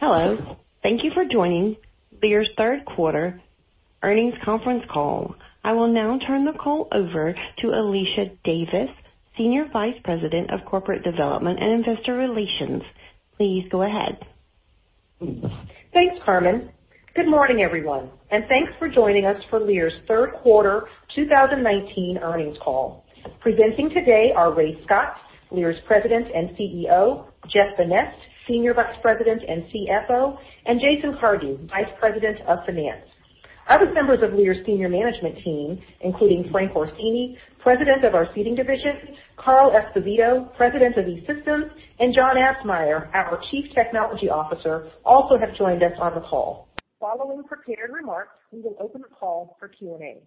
Hello. Thank you for joining Lear's third quarter earnings conference call. I will now turn the call over to Alicia Davis, Senior Vice President of Corporate Development and Investor Relations. Please go ahead. Thanks, Carmen. Good morning, everyone, and thanks for joining us for Lear's third quarter 2019 earnings call. Presenting today are Ray Scott, Lear's President and CEO, Jeff Vanneste, Senior Vice President and CFO, and Jason Cardew, Vice President of Finance. Other members of Lear's senior management team, including Frank Orsini, President of our Seating Division, Carl Esposito, President of E-Systems, and John Absmeier, our Chief Technology Officer, also have joined us on the call. Following prepared remarks, we will open the call for Q&A.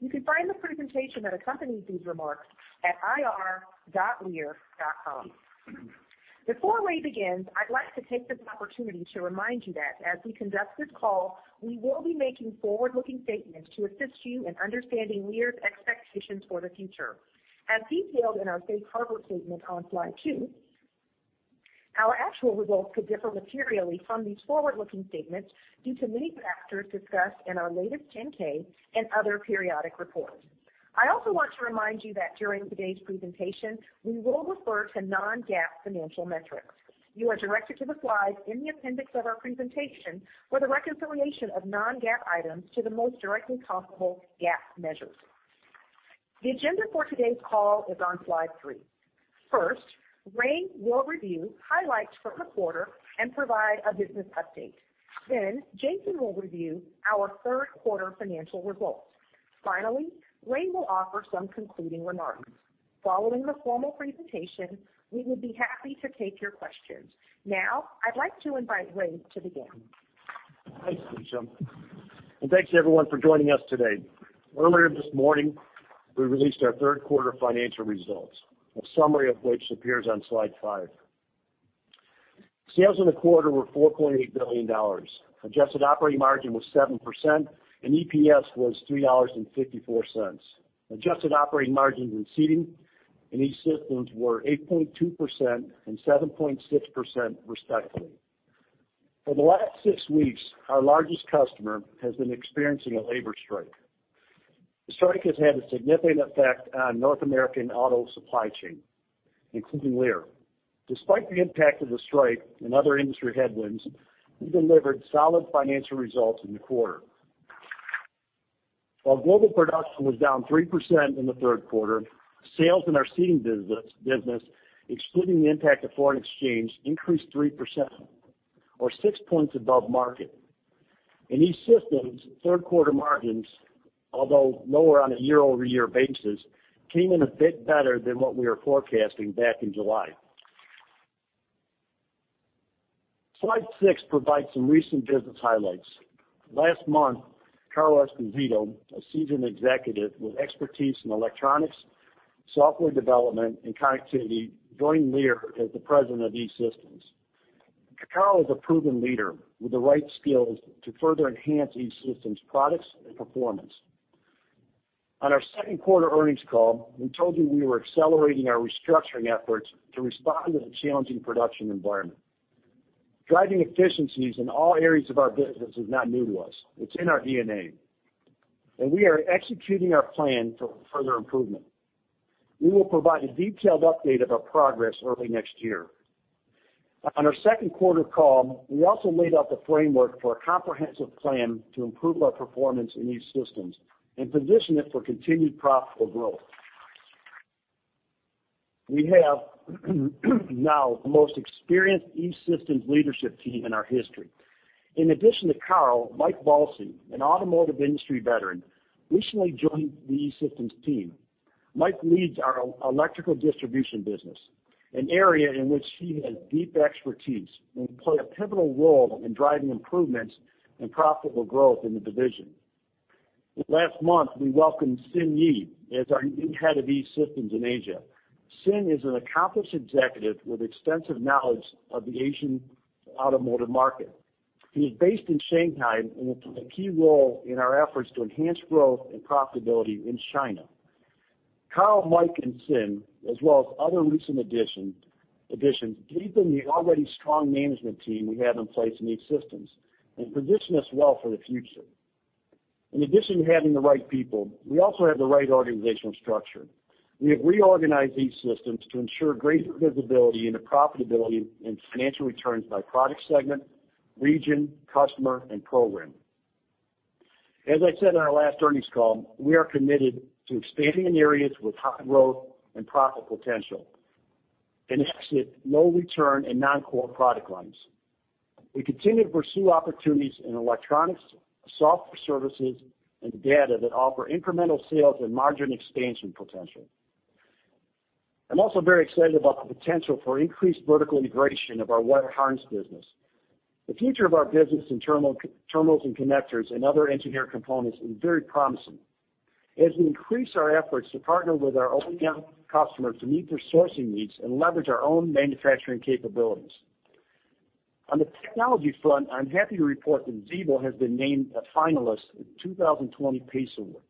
You can find the presentation that accompanies these remarks at ir.lear.com. Before Ray begins, I'd like to take this opportunity to remind you that as we conduct this call, we will be making forward-looking statements to assist you in understanding Lear's expectations for the future. As detailed in our safe harbor statement on slide two, our actual results could differ materially from these forward-looking statements due to many factors discussed in our latest 10-K and other periodic reports. I also want to remind you that during today's presentation, we will refer to non-GAAP financial metrics. You are directed to the slides in the appendix of our presentation for the reconciliation of non-GAAP items to the most directly comparable GAAP measures. The agenda for today's call is on slide three. First, Ray will review highlights from the quarter and provide a business update. Jason will review our third quarter financial results. Ray will offer some concluding remarks. Following the formal presentation, we would be happy to take your questions. I'd like to invite Ray to begin. Thanks, Alicia. Thanks everyone for joining us today. Earlier this morning, we released our third quarter financial results, a summary of which appears on slide five. Sales in the quarter were $4.8 billion. Adjusted operating margin was 7%, and EPS was $3.54. Adjusted operating margins in Seating in E-Systems were 8.2% and 7.6% respectively. For the last six weeks, our largest customer has been experiencing a labor strike. The strike has had a significant effect on North American auto supply chain, including Lear. Despite the impact of the strike and other industry headwinds, we delivered solid financial results in the quarter. While global production was down 3% in the third quarter, sales in our Seating business, excluding the impact of foreign exchange, increased 3% or six points above market. In E-Systems, third quarter margins, although lower on a year-over-year basis, came in a bit better than what we were forecasting back in July. Slide six provides some recent business highlights. Last month, Carl Esposito, a seasoned executive with expertise in electronics, software development, and connectivity, joined Lear as the President of E-Systems. Carl is a proven leader with the right skills to further enhance E-Systems products and performance. On our second quarter earnings call, we told you we were accelerating our restructuring efforts to respond to the challenging production environment. Driving efficiencies in all areas of our business is not new to us. It's in our DNA. We are executing our plan for further improvement. We will provide a detailed update of our progress early next year. On our second quarter call, we also laid out the framework for a comprehensive plan to improve our performance in E-Systems and position it for continued profitable growth. We have now the most experienced E-Systems leadership team in our history. In addition to Carl, Mike Balsei, an automotive industry veteran, recently joined the E-Systems team. Mike leads our electrical distribution business, an area in which he has deep expertise and will play a pivotal role in driving improvements and profitable growth in the division. Last month, we welcomed Xin Yi as our new head of E-Systems in Asia. Xin is an accomplished executive with extensive knowledge of the Asian automotive market. He is based in Shanghai and will play a key role in our efforts to enhance growth and profitability in China. Carl, Mike, and Xin, as well as other recent additions, deepen the already strong management team we have in place in E-Systems and position us well for the future. In addition to having the right people, we also have the right organizational structure. We have reorganized E-Systems to ensure greater visibility into profitability and financial returns by product segment, region, customer, and program. As I said in our last earnings call, we are committed to expanding in areas with high growth and profit potential and exit low return and non-core product lines. We continue to pursue opportunities in electronics, software services, and data that offer incremental sales and margin expansion potential. I'm also very excited about the potential for increased vertical integration of our wire harness business. The future of our business in terminals and connectors and other engineered components is very promising as we increase our efforts to partner with our OEM customers to meet their sourcing needs and leverage our own manufacturing capabilities. On the technology front, I'm happy to report that Xevo has been named a finalist for the 2020 PACE Award.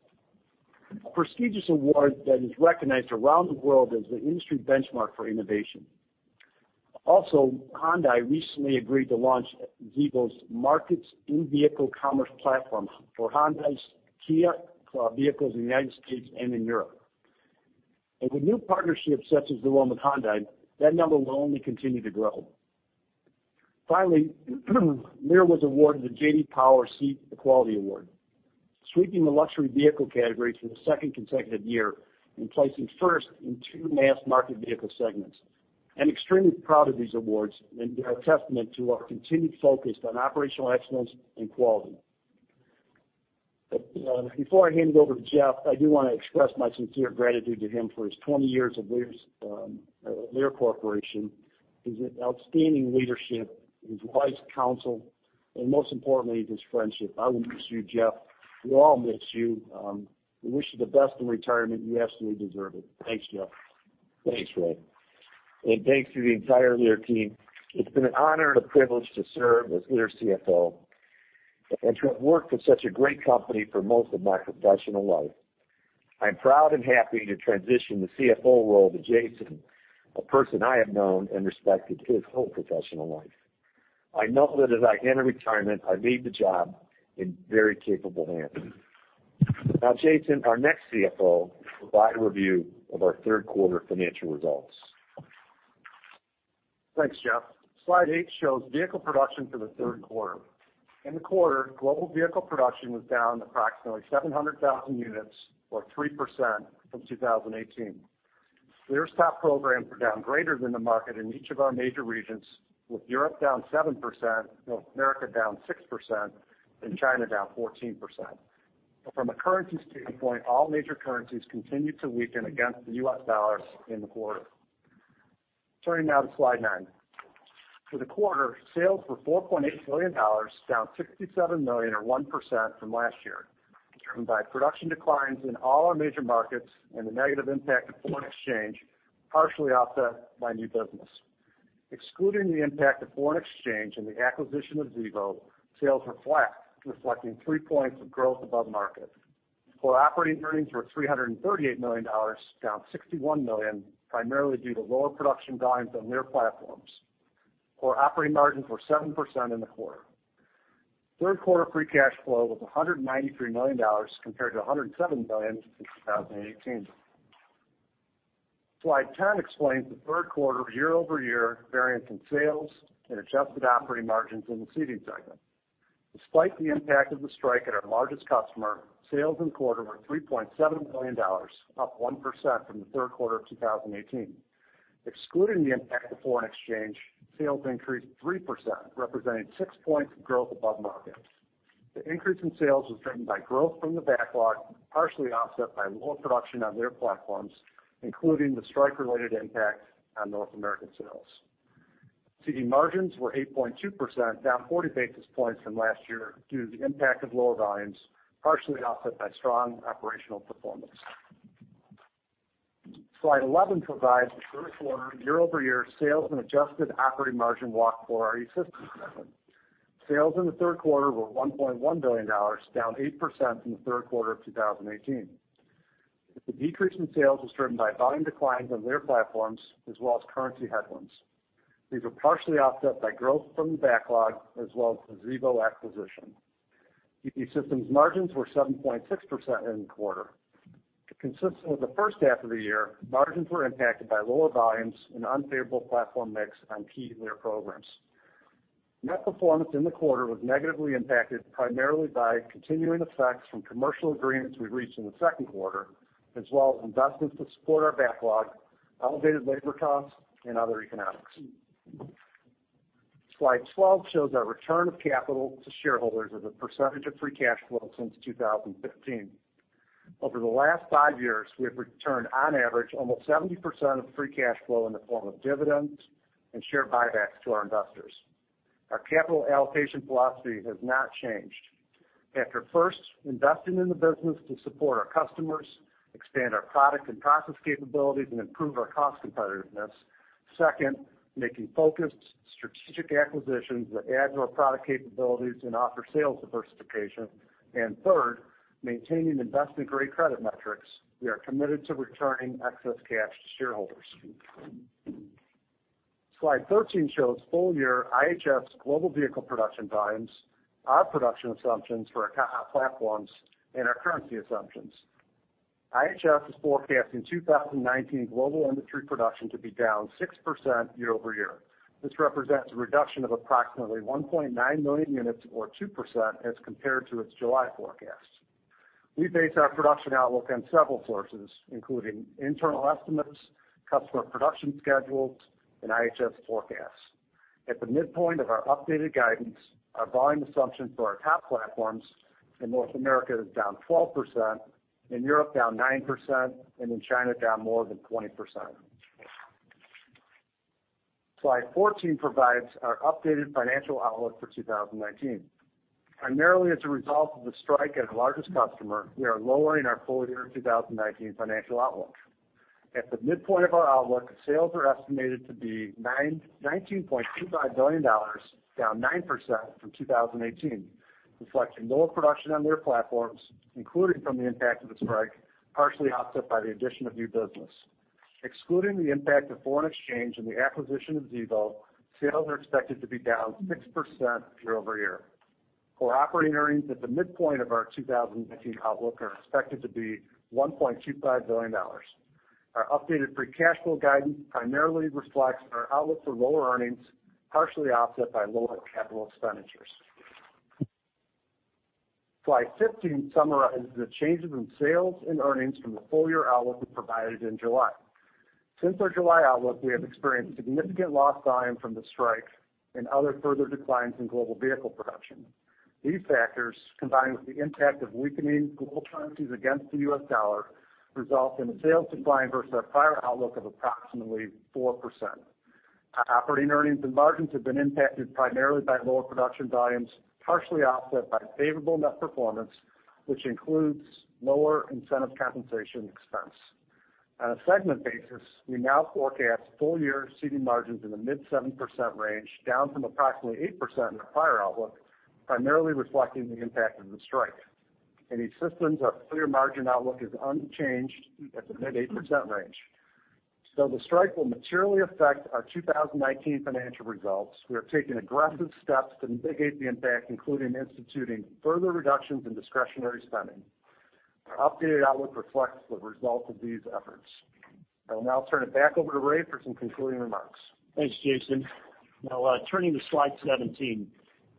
A prestigious award that is recognized around the world as the industry benchmark for innovation. Hyundai recently agreed to launch Xevo Market in-vehicle commerce platform for Hyundai's Kia vehicles in the U.S. and in Europe. With new partnerships such as the one with Hyundai, that number will only continue to grow. Finally, Lear was awarded the J.D. Power Seat Quality Award, sweeping the luxury vehicle category for the second consecutive year and placing first in two mass-market vehicle segments. I'm extremely proud of these awards, and they are a testament to our continued focus on operational excellence and quality. Before I hand it over to Jeff, I do want to express my sincere gratitude to him for his 20 years at Lear Corporation, his outstanding leadership, his wise counsel, and most importantly, his friendship. I will miss you, Jeff. We all miss you. We wish you the best in retirement. You absolutely deserve it. Thanks, Jeff. Thanks, Ray. Thanks to the entire Lear team. It's been an honor and a privilege to serve as Lear's CFO and to have worked with such a great company for most of my professional life. I'm proud and happy to transition the CFO role to Jason, a person I have known and respected his whole professional life. I know that as I enter retirement, I leave the job in very capable hands. Jason, our next CFO, will provide a review of our third-quarter financial results. Thanks, Jeff. Slide eight shows vehicle production for the third quarter. In the quarter, global vehicle production was down approximately 700,000 units or 3% from 2018. Lear's top programs were down greater than the market in each of our major regions, with Europe down 7%, North America down 6%, and China down 14%. From a currency standpoint, all major currencies continued to weaken against the U.S. dollar in the quarter. Turning now to slide nine. For the quarter, sales were $4.8 billion, down $67 million or 1% from last year, driven by production declines in all our major markets and the negative impact of foreign exchange, partially offset by new business. Excluding the impact of foreign exchange and the acquisition of Xevo, sales were flat, reflecting three points of growth above market. Core operating earnings were $338 million, down $61 million, primarily due to lower production volumes on Lear platforms. Core operating margins were 7% in the quarter. Third quarter free cash flow was $193 million, compared to $107 million in 2018. Slide 10 explains the third quarter year-over-year variance in sales and adjusted operating margins in the Seating segment. Despite the impact of the strike at our largest customer, sales in the quarter were $3.7 billion, up 1% from the third quarter of 2018. Excluding the impact of foreign exchange, sales increased 3%, representing six points of growth above market. The increase in sales was driven by growth from the backlog, partially offset by lower production on Lear platforms, including the strike-related impact on North American sales. Seating margins were 8.2%, down 40 basis points from last year due to the impact of lower volumes, partially offset by strong operational performance. Slide 11 provides the first quarter year-over-year sales and adjusted operating margin walk for our E-Systems segment. Sales in the third quarter were $1.1 billion, down 8% from the third quarter of 2018. The decrease in sales was driven by volume declines on Lear platforms as well as currency headwinds. These were partially offset by growth from the backlog as well as the Xevo acquisition. E-Systems margins were 7.6% in the quarter. Consistent with the first half of the year, margins were impacted by lower volumes and unfavorable platform mix on key Lear programs. Net performance in the quarter was negatively impacted primarily by continuing effects from commercial agreements we reached in the second quarter, as well as investments to support our backlog, elevated labor costs and other economics. Slide 12 shows our return of capital to shareholders as a percentage of free cash flow since 2015. Over the last five years, we have returned, on average, almost 70% of free cash flow in the form of dividends and share buybacks to our investors. Our capital allocation philosophy has not changed. After first investing in the business to support our customers, expand our product and process capabilities, and improve our cost competitiveness, second, making focused strategic acquisitions that add to our product capabilities and offer sales diversification, and third, maintaining investment-grade credit metrics, we are committed to returning excess cash to shareholders. Slide 13 shows full-year IHS global vehicle production volumes, our production assumptions for our top platforms, and our currency assumptions. IHS is forecasting 2019 global industry production to be down 6% year-over-year. This represents a reduction of approximately 1.9 million units or 2% as compared to its July forecast. We base our production outlook on several sources, including internal estimates, customer production schedules, and IHS forecasts. At the midpoint of our updated guidance, our volume assumption for our top platforms in North America is down 12%, in Europe down 9%, and in China down more than 20%. Slide 14 provides our updated financial outlook for 2019. Primarily as a result of the strike at our largest customer, we are lowering our full-year 2019 financial outlook. At the midpoint of our outlook, sales are estimated to be $19.25 billion, down 9% from 2018, reflecting lower production on their platforms, including from the impact of the strike, partially offset by the addition of new business. Excluding the impact of foreign exchange and the acquisition of Xevo, sales are expected to be down 6% year-over-year. Core operating earnings at the midpoint of our 2019 outlook are expected to be $1.25 billion. Our updated free cash flow guidance primarily reflects our outlook for lower earnings, partially offset by lower capital expenditures. Slide 15 summarizes the changes in sales and earnings from the full-year outlook we provided in July. Since our July outlook, we have experienced significant lost volume from the strike and other further declines in global vehicle production. These factors, combined with the impact of weakening global currencies against the US dollar, result in a sales decline versus our prior outlook of approximately 4%. Our operating earnings and margins have been impacted primarily by lower production volumes, partially offset by favorable net performance, which includes lower incentive compensation expense. On a segment basis, we now forecast full-year Seating margins in the mid 7% range, down from approximately 8% in the prior outlook, primarily reflecting the impact of the strike. In E-Systems, our full-year margin outlook is unchanged at the mid 8% range. Though the strike will materially affect our 2019 financial results, we are taking aggressive steps to mitigate the impact, including instituting further reductions in discretionary spending. Our updated outlook reflects the result of these efforts. I will now turn it back over to Ray for some concluding remarks. Thanks, Jason. Now, turning to slide 17.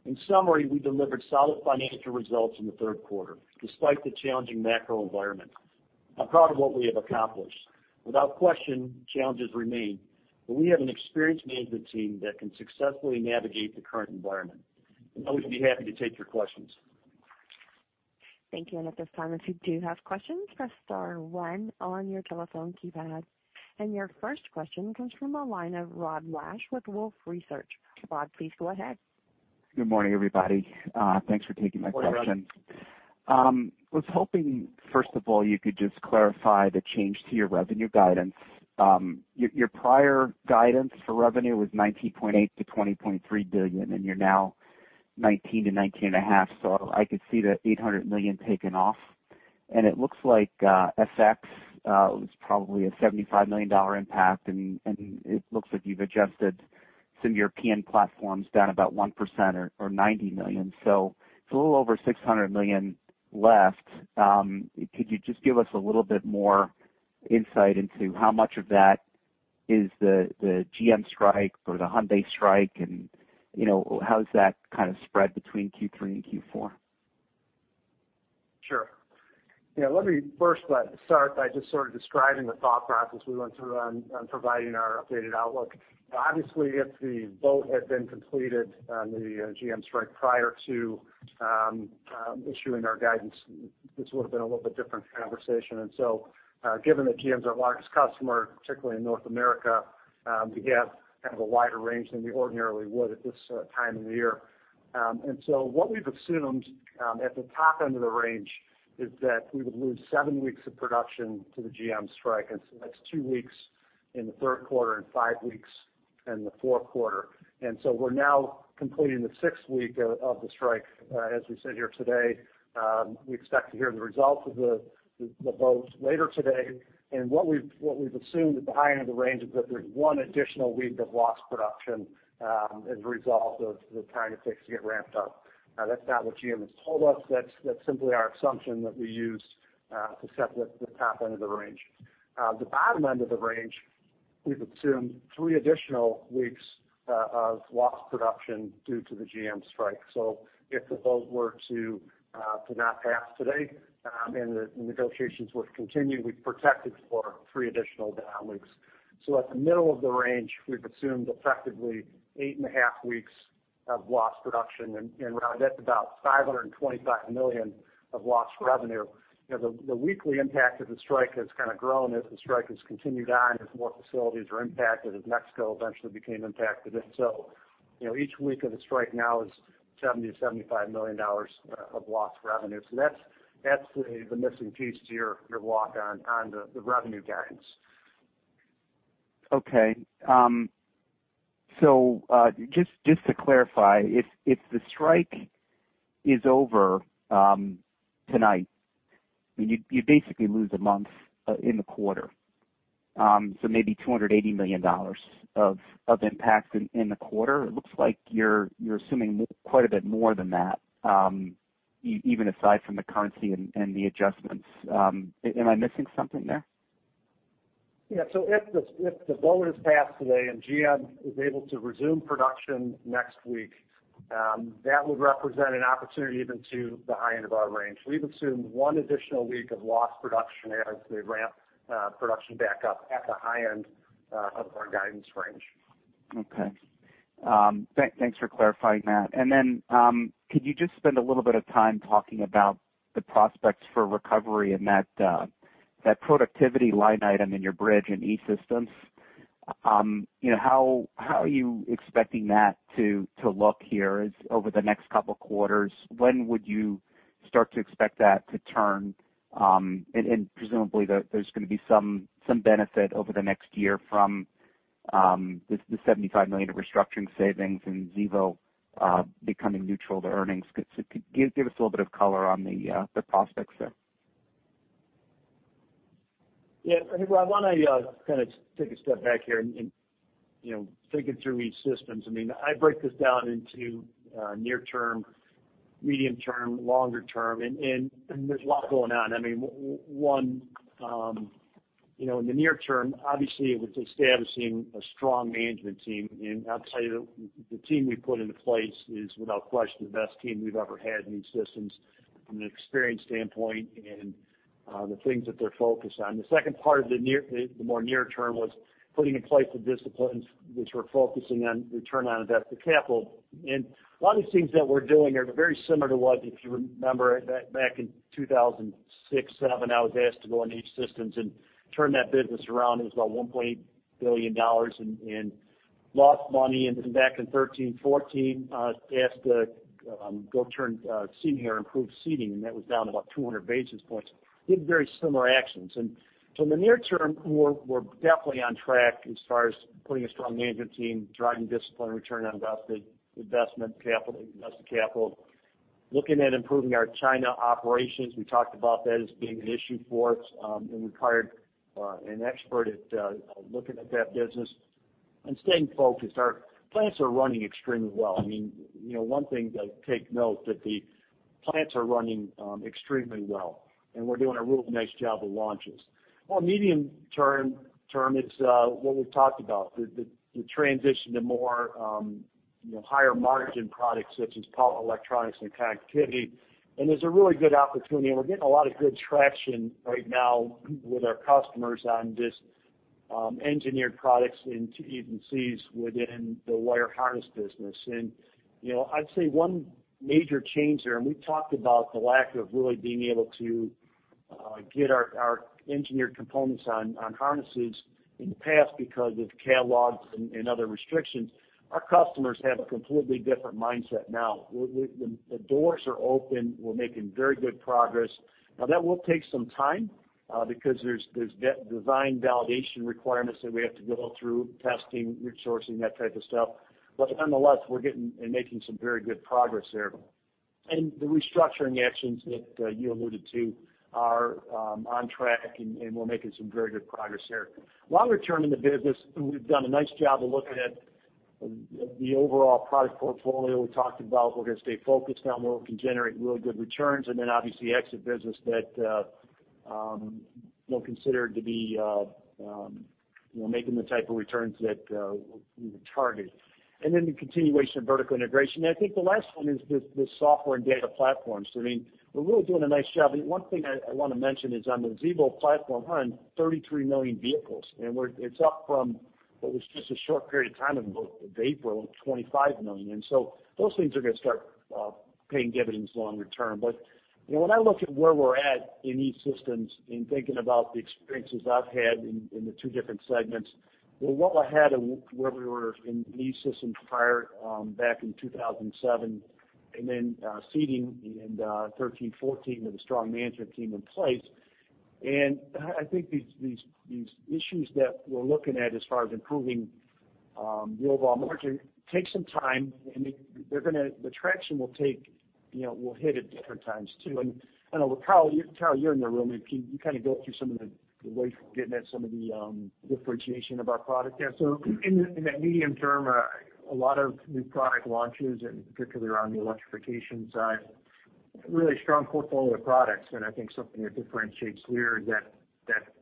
In summary, we delivered solid financial results in the third quarter, despite the challenging macro environment. I'm proud of what we have accomplished. Without question, challenges remain, but we have an experienced management team that can successfully navigate the current environment. I would be happy to take your questions. Thank you. At this time, if you do have questions, press star one on your telephone keypad. Your first question comes from the line of Rod Lache with Wolfe Research. Rod, please go ahead. Good morning, everybody. Thanks for taking my question. Good morning, Rod. I was hoping, first of all, you could just clarify the change to your revenue guidance. Your prior guidance for revenue was $19.8 billion-$20.3 billion, and you're now $19 billion-$19.5 billion, so I could see the $800 million taken off, and it looks like FX was probably a $75 million impact, and it looks like you've adjusted some European platforms down about 1% or $90 million. It's a little over $600 million left. Could you just give us a little bit more insight into how much of that is the GM strike or the Hyundai strike and how is that kind of spread between Q3 and Q4? Sure. Let me first start by just sort of describing the thought process we went through on providing our updated outlook. Obviously, if the vote had been completed on the GM strike prior to issuing our guidance, this would've been a little bit different conversation. Given that GM's our largest customer, particularly in North America, we have kind of a wider range than we ordinarily would at this time of the year. What we've assumed at the top end of the range is that we would lose seven weeks of production to the GM strike, and so that's two weeks in the third quarter and five weeks in the fourth quarter. We're now completing the sixth week of the strike as we sit here today. We expect to hear the results of the vote later today. What we've assumed at the high end of the range is that there's one additional week of lost production as a result of the time it takes to get ramped up. That's not what GM has told us. That's simply our assumption that we used to set the top end of the range. The bottom end of the range, we've assumed three additional weeks of lost production due to the GM strike. If the vote were to not pass today and the negotiations would continue, we've protected for three additional down weeks. At the middle of the range, we've assumed effectively 8.5 weeks of lost production and rounded up about $525 million of lost revenue. The weekly impact of the strike has kind of grown as the strike has continued on, as more facilities are impacted, as Mexico eventually became impacted. Each week of the strike now is $70 million-$75 million of lost revenue. That's the missing piece to your walk on the revenue guidance. Okay. Just to clarify, if the strike is over tonight, you basically lose a month in the quarter, so maybe $280 million of impact in the quarter. It looks like you're assuming quite a bit more than that, even aside from the currency and the adjustments. Am I missing something there? Yeah. If the vote is passed today and GM is able to resume production next week, that would represent an opportunity even to the high end of our range. We've assumed one additional week of lost production as they ramp production back up at the high end of our guidance range. Okay. Thanks for clarifying that. Could you just spend a little bit of time talking about the prospects for recovery in that productivity line item in your bridge in E-Systems? How are you expecting that to look here over the next couple of quarters? When would you start to expect that to turn? Presumably, there's going to be some benefit over the next year from the $75 million of restructuring savings and Xevo becoming neutral to earnings. Could you give us a little bit of color on the prospects there? Yeah. Hey, Rod, why don't I take a step back here and think it through E-Systems. I break this down into near term, medium term, longer term, and there's a lot going on. One, in the near term, obviously, it was establishing a strong management team, and I'll tell you that the team we put into place is, without question, the best team we've ever had in E-Systems from an experience standpoint and the things that they're focused on. The second part of the more near term was putting in place the disciplines which we're focusing on return on invested capital. A lot of these things that we're doing are very similar to what, if you remember back in 2006, 2007, I was asked to go in E-Systems and turn that business around. It was about $1.8 billion in lost money. Back in 2013, 2014, asked to go turn Seating or improve Seating, and that was down about 200 basis points. Did very similar actions. In the near term, we're definitely on track as far as putting a strong management team, driving discipline, return on invested capital, looking at improving our China operations. We talked about that as being an issue for us, and we hired an expert at looking at that business and staying focused. Our plants are running extremely well. One thing to take note, that the plants are running extremely well, and we're doing a really nice job with launches. Medium term is what we've talked about, the transition to more higher margin products such as power, electronics, and connectivity. There's a really good opportunity, and we're getting a lot of good traction right now with our customers on just engineered products into EVs within the wire harness business. I'd say one major change there, and we talked about the lack of really being able to get our engineered components on harnesses in the past because of catalogs and other restrictions. Our customers have a completely different mindset now. The doors are open. We're making very good progress. That will take some time because there's design validation requirements that we have to go through, testing, resourcing, that type of stuff. Nonetheless, we're getting and making some very good progress there. The restructuring actions that you alluded to are on track, and we're making some very good progress there. Longer term in the business, we've done a nice job of looking at the overall product portfolio we talked about. We're going to stay focused on where we can generate really good returns and then obviously exit business that we don't consider to be making the type of returns that we targeted. The continuation of vertical integration. I think the last one is the software and data platforms. We're really doing a nice job. One thing I want to mention is on the Xevo platform, 133 million vehicles. It's up from what was just a short period of time in April, 25 million. Those things are going to start paying dividends longer term. When I look at where we're at in E-Systems and thinking about the experiences I've had in the two different segments, we're well ahead of where we were in E-Systems prior back in 2007 and then Seating in 2013, 2014, with a strong management team in place. I think these issues that we're looking at as far as improving the overall margin take some time, and the traction will hit at different times, too. I know, Carl, you're in the room, and you kind of go through some of the ways we're getting at some of the differentiation of our product there. In the medium term, a lot of new product launches, and particularly on the electrification side, really strong portfolio of products. I think something that differentiates Lear is that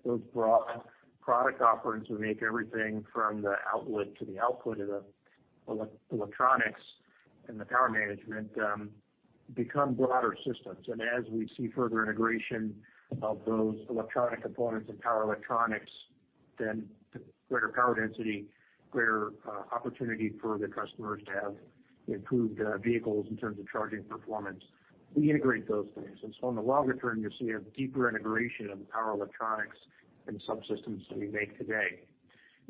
those broad product offerings will make everything from the outlet to the output of the electronics and the power management become broader systems. As we see further integration of those electronic components and power electronics, then the greater power density, greater opportunity for the customers to have improved vehicles in terms of charging performance. We integrate those things. In the longer term, you'll see a deeper integration of power electronics and subsystems that we make today.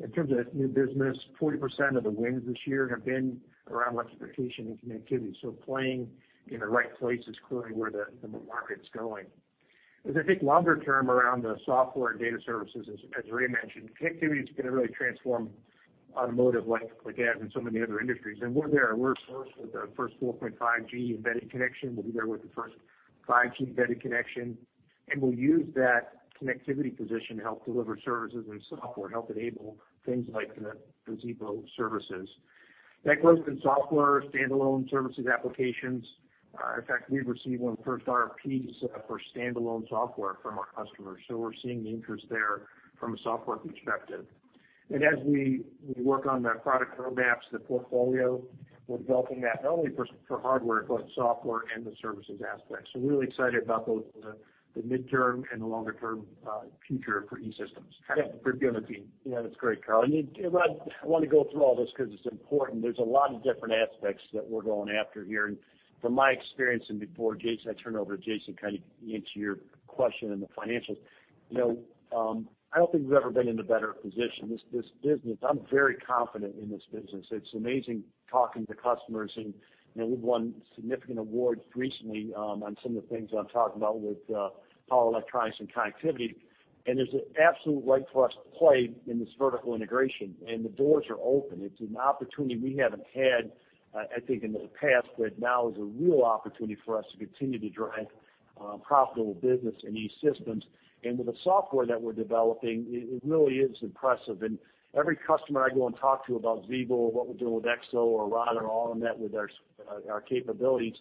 In terms of new business, 40% of the wins this year have been around electrification and connectivity. Playing in the right place is clearly where the market's going. As I think longer term around the software and data services, as Ray mentioned, connectivity is going to really transform automotive like it has in so many other industries. We're there. We're first with the first 4.5G embedded connection. We'll be there with the first 5G embedded connection, and we'll use that connectivity position to help deliver services and software, help enable things like the Xevo services. That goes for software, standalone services applications. In fact, we've received one of the first RFPs for standalone software from our customers. We're seeing the interest there from a software perspective. As we work on the product roadmaps, the portfolio, we're building that not only for hardware, but software and the services aspect. Really excited about both the midterm and the longer-term future for E-Systems. Yeah. Good, good team. Yeah, that's great, Carl. Rod, I want to go through all this because it's important. There's a lot of different aspects that we're going after here. From my experience, and before I turn it over to Jason, kind of into your question in the financials. I don't think we've ever been in a better position. This business, I'm very confident in this business. It's amazing talking to customers, and we've won significant awards recently on some of the things I'm talking about with power electronics and connectivity, and there's an absolute right for us to play in this vertical integration, and the doors are open. It's an opportunity we haven't had, I think, in the past, but now is a real opportunity for us to continue to drive profitable business in E-Systems. With the software that we're developing, it really is impressive. Every customer I go and talk to about Xevo, what we're doing with Xevo or Rod or all of that with our capabilities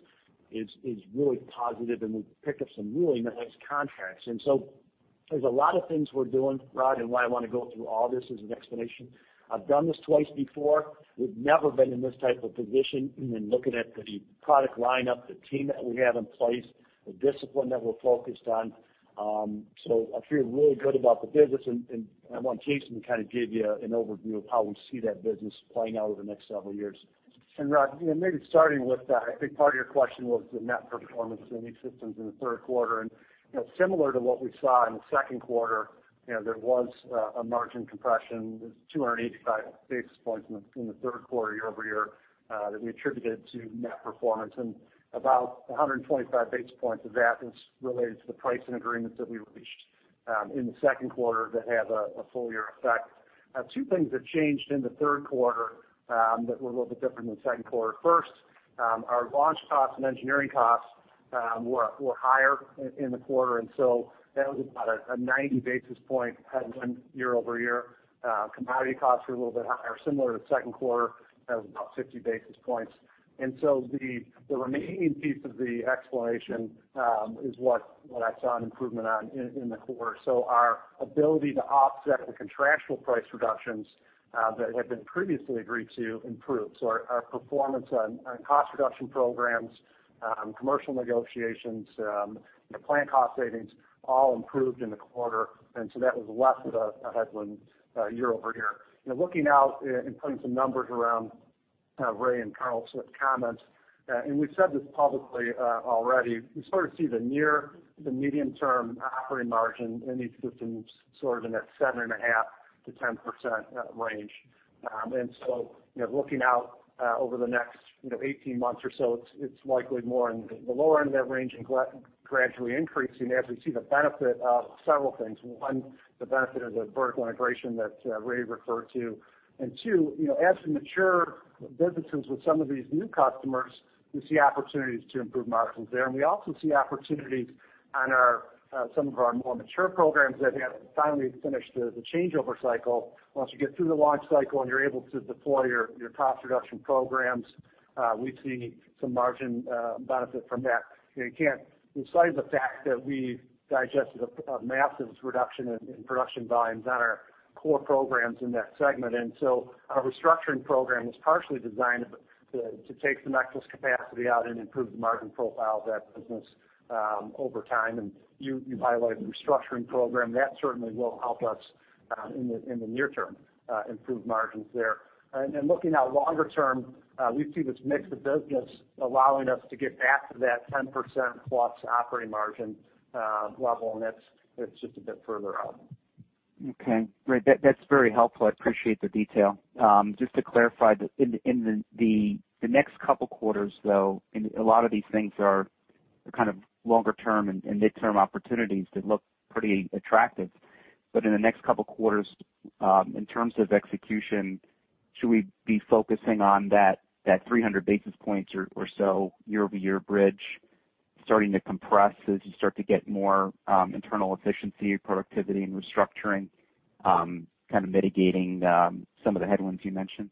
is really positive, and we've picked up some really nice contracts. There's a lot of things we're doing, Rod, and why I want to go through all this as an explanation. I've done this twice before. We've never been in this type of position and looking at the product lineup, the team that we have in place, the discipline that we're focused on. I feel really good about the business, and I want Jason to kind of give you an overview of how we see that business playing out over the next several years. Rod, maybe starting with that, I think part of your question was the net performance in E-Systems in the third quarter. Similar to what we saw in the second quarter, there was a margin compression. There's 285 basis points in the third quarter year-over-year that we attributed to net performance. About 125 basis points of that is related to the pricing agreements that we reached in the second quarter that have a full year effect. Two things have changed in the third quarter that were a little bit different than second quarter. First, our launch costs and engineering costs were higher in the quarter, that was about a 90 basis point headwind year-over-year. Commodity costs were a little bit higher, similar to the second quarter, that was about 50 basis points. The remaining piece of the explanation is what I saw an improvement on in the quarter. Our ability to offset the contractual price reductions that had been previously agreed to improved. Our performance on cost reduction programs, commercial negotiations, plant cost savings, all improved in the quarter. That was less of a headwind year-over-year. Looking out and putting some numbers around Ray and Carl's comments, and we've said this publicly already, we sort of see the near, the medium term operating margin in E-Systems sort of in that 7.5%-10% range. Looking out over the next 18 months or so, it's likely more in the lower end of that range and gradually increasing as we see the benefit of several things. One, the benefit of the vertical integration that Ray referred to. Two, as we mature businesses with some of these new customers, we see opportunities to improve margins there. We also see opportunities on some of our more mature programs that have finally finished the changeover cycle. Once you get through the launch cycle and you're able to deploy your cost reduction programs, we see some margin benefit from that. You can't recite the fact that we've digested a massive reduction in production volumes on our core programs in that segment. Our restructuring program was partially designed to take some excess capacity out and improve the margin profile of that business over time. You highlighted the restructuring program. That certainly will help us in the near term, improve margins there. Looking out longer term, we see this mix of business allowing us to get back to that 10% plus operating margin level, and that's just a bit further out. Okay. Ray, that's very helpful. I appreciate the detail. Just to clarify, in the next couple of quarters, though, and a lot of these things are kind of longer term and midterm opportunities that look pretty attractive. In the next couple of quarters, in terms of execution, should we be focusing on that 300 basis points or so year-over-year bridge starting to compress as you start to get more internal efficiency, productivity, and restructuring, kind of mitigating some of the headwinds you mentioned?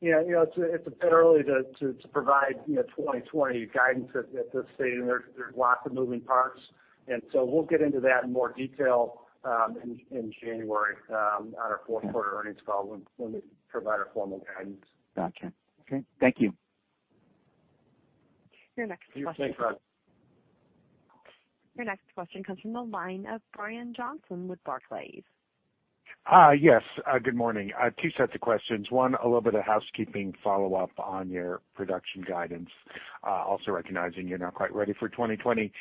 Yeah. It's a bit early to provide 2020 guidance at this stage, and there's lots of moving parts. We'll get into that in more detail in January on our fourth quarter earnings call when we provide our formal guidance. Got you. Okay. Thank you. Thanks, Rod. Your next question comes from the line of Brian Johnson with Barclays. Yes. Good morning. Two sets of questions. One, a little bit of housekeeping follow-up on your production guidance. Also recognizing you're not quite ready for 2020.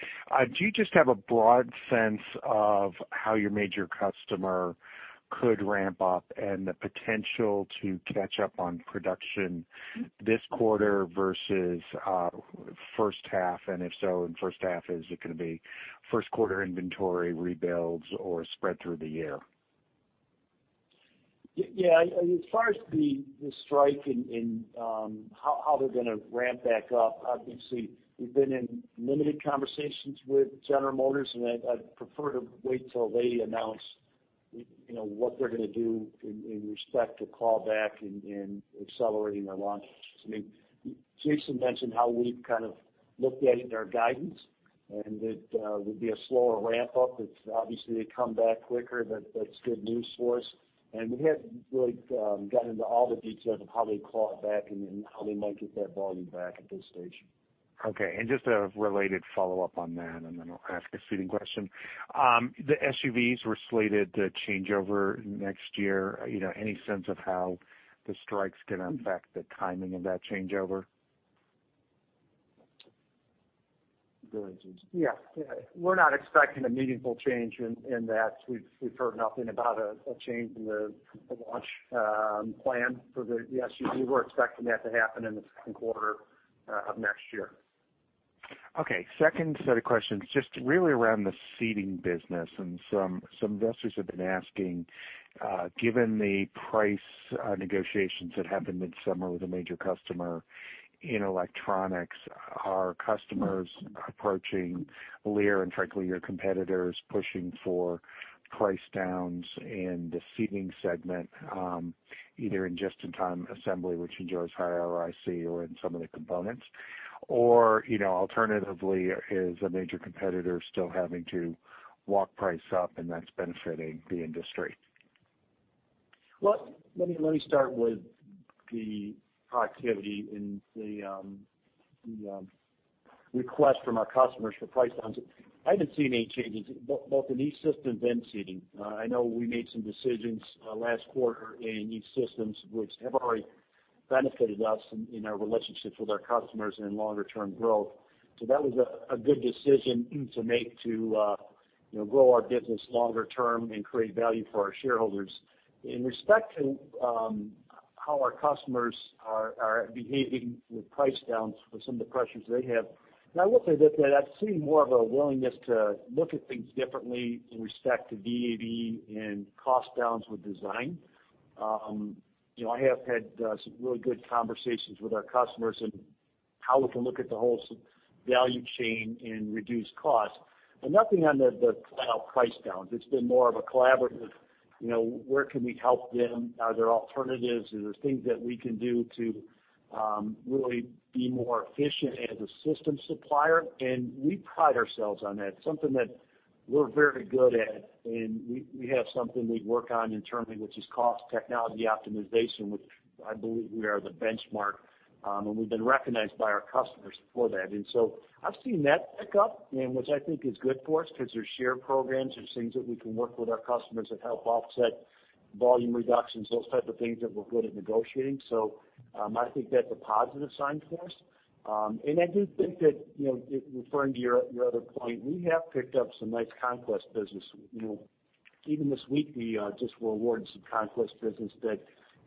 Do you just have a broad sense of how your major customer could ramp up and the potential to catch up on production this quarter versus first half? If so, in first half, is it going to be first quarter inventory rebuilds or spread through the year? Yeah. As far as the strike and how they're going to ramp back up, obviously, we've been in limited conversations with General Motors. I'd prefer to wait till they announce what they're going to do in respect to call back and accelerating their launches. Jason mentioned how we've kind of looked at it in our guidance. That would be a slower ramp-up. If obviously they come back quicker, that's good news for us. We haven't really gotten into all the details of how they claw it back and how they might get that volume back at this stage. Okay. Just a related follow-up on that, then I'll ask a Seating question. The SUVs were slated to change over next year. Any sense of how the strikes could affect the timing of that changeover? Go ahead, Jason. Yeah. We're not expecting a meaningful change in that. We've heard nothing about a change in the launch plan for the SUV. We're expecting that to happen in the second quarter of next year. Okay. Second set of questions, just really around the seating business and some investors have been asking, given the price negotiations that happened midsummer with a major customer in electronics, are customers approaching Lear, and frankly, your competitors, pushing for price downs in the seating segment, either in just-in-time assembly, which enjoys higher ROIC or in some of the components? Alternatively, is a major competitor still having to walk price up and that's benefiting the industry? Well, let me start with the activity and the request from our customers for price downs. I haven't seen any changes, both in E-Systems and seating. I know we made some decisions last quarter in E-Systems which have already benefited us in our relationships with our customers and in longer term growth. That was a good decision to make to grow our business longer term and create value for our shareholders. In respect to how our customers are behaving with price downs for some of the pressures they have, I will say that I've seen more of a willingness to look at things differently in respect to VA/VE and cost downs with design. I have had some really good conversations with our customers and how we can look at the whole value chain and reduce cost. Nothing on the price downs. It's been more of a collaborative, where can we help them? Are there alternatives? Are there things that we can do to really be more efficient as a system supplier? We pride ourselves on that. Something that we're very good at, and we have something we work on internally, which is cost technology optimization, which I believe we are the benchmark, and we've been recognized by our customers for that. I've seen that pick up, and which I think is good for us because there's share programs, there's things that we can work with our customers that help offset volume reductions, those type of things that we're good at negotiating. I think that's a positive sign for us. I do think that, referring to your other point, we have picked up some nice conquest business. Even this week, we just were awarded some conquest business that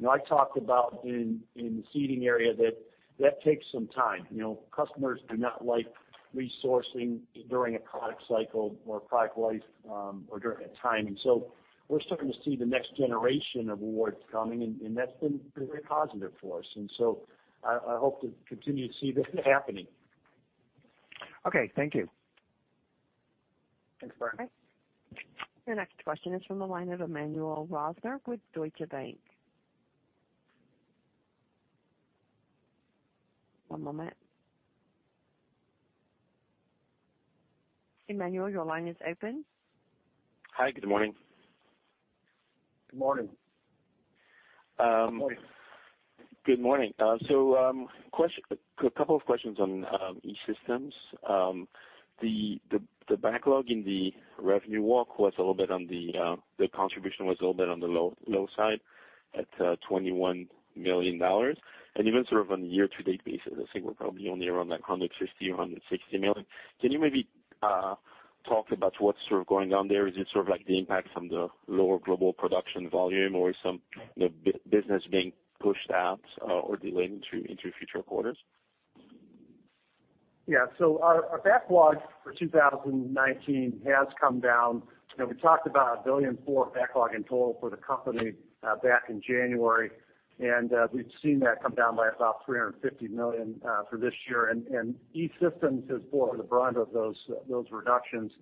I talked about in the Seating area that takes some time. Customers do not like resourcing during a product cycle or product life or during a timing. We're starting to see the next generation of awards coming, and that's been very positive for us. I hope to continue to see that happening. Okay, thank you. Thanks, Brian. Your next question is from the line of Emmanuel Rosner with Deutsche Bank. One moment. Emmanuel, your line is open. Hi, good morning. Good morning. Good morning. A couple of questions on E-Systems. The backlog in the revenue walk was a little bit on the low side at $21 million. Even sort of on a year-to-date basis, I think we're probably only around like $150 million or $160 million. Can you maybe talk about what's sort of going on there? Is it sort of like the impact from the lower global production volume, or is some business being pushed out or delayed into future quarters? Our backlog for 2019 has come down. We talked about $1 billion for backlog in total for the company back in January, and we've seen that come down by about $350 million for this year. E-Systems has bore the brunt of those reductions.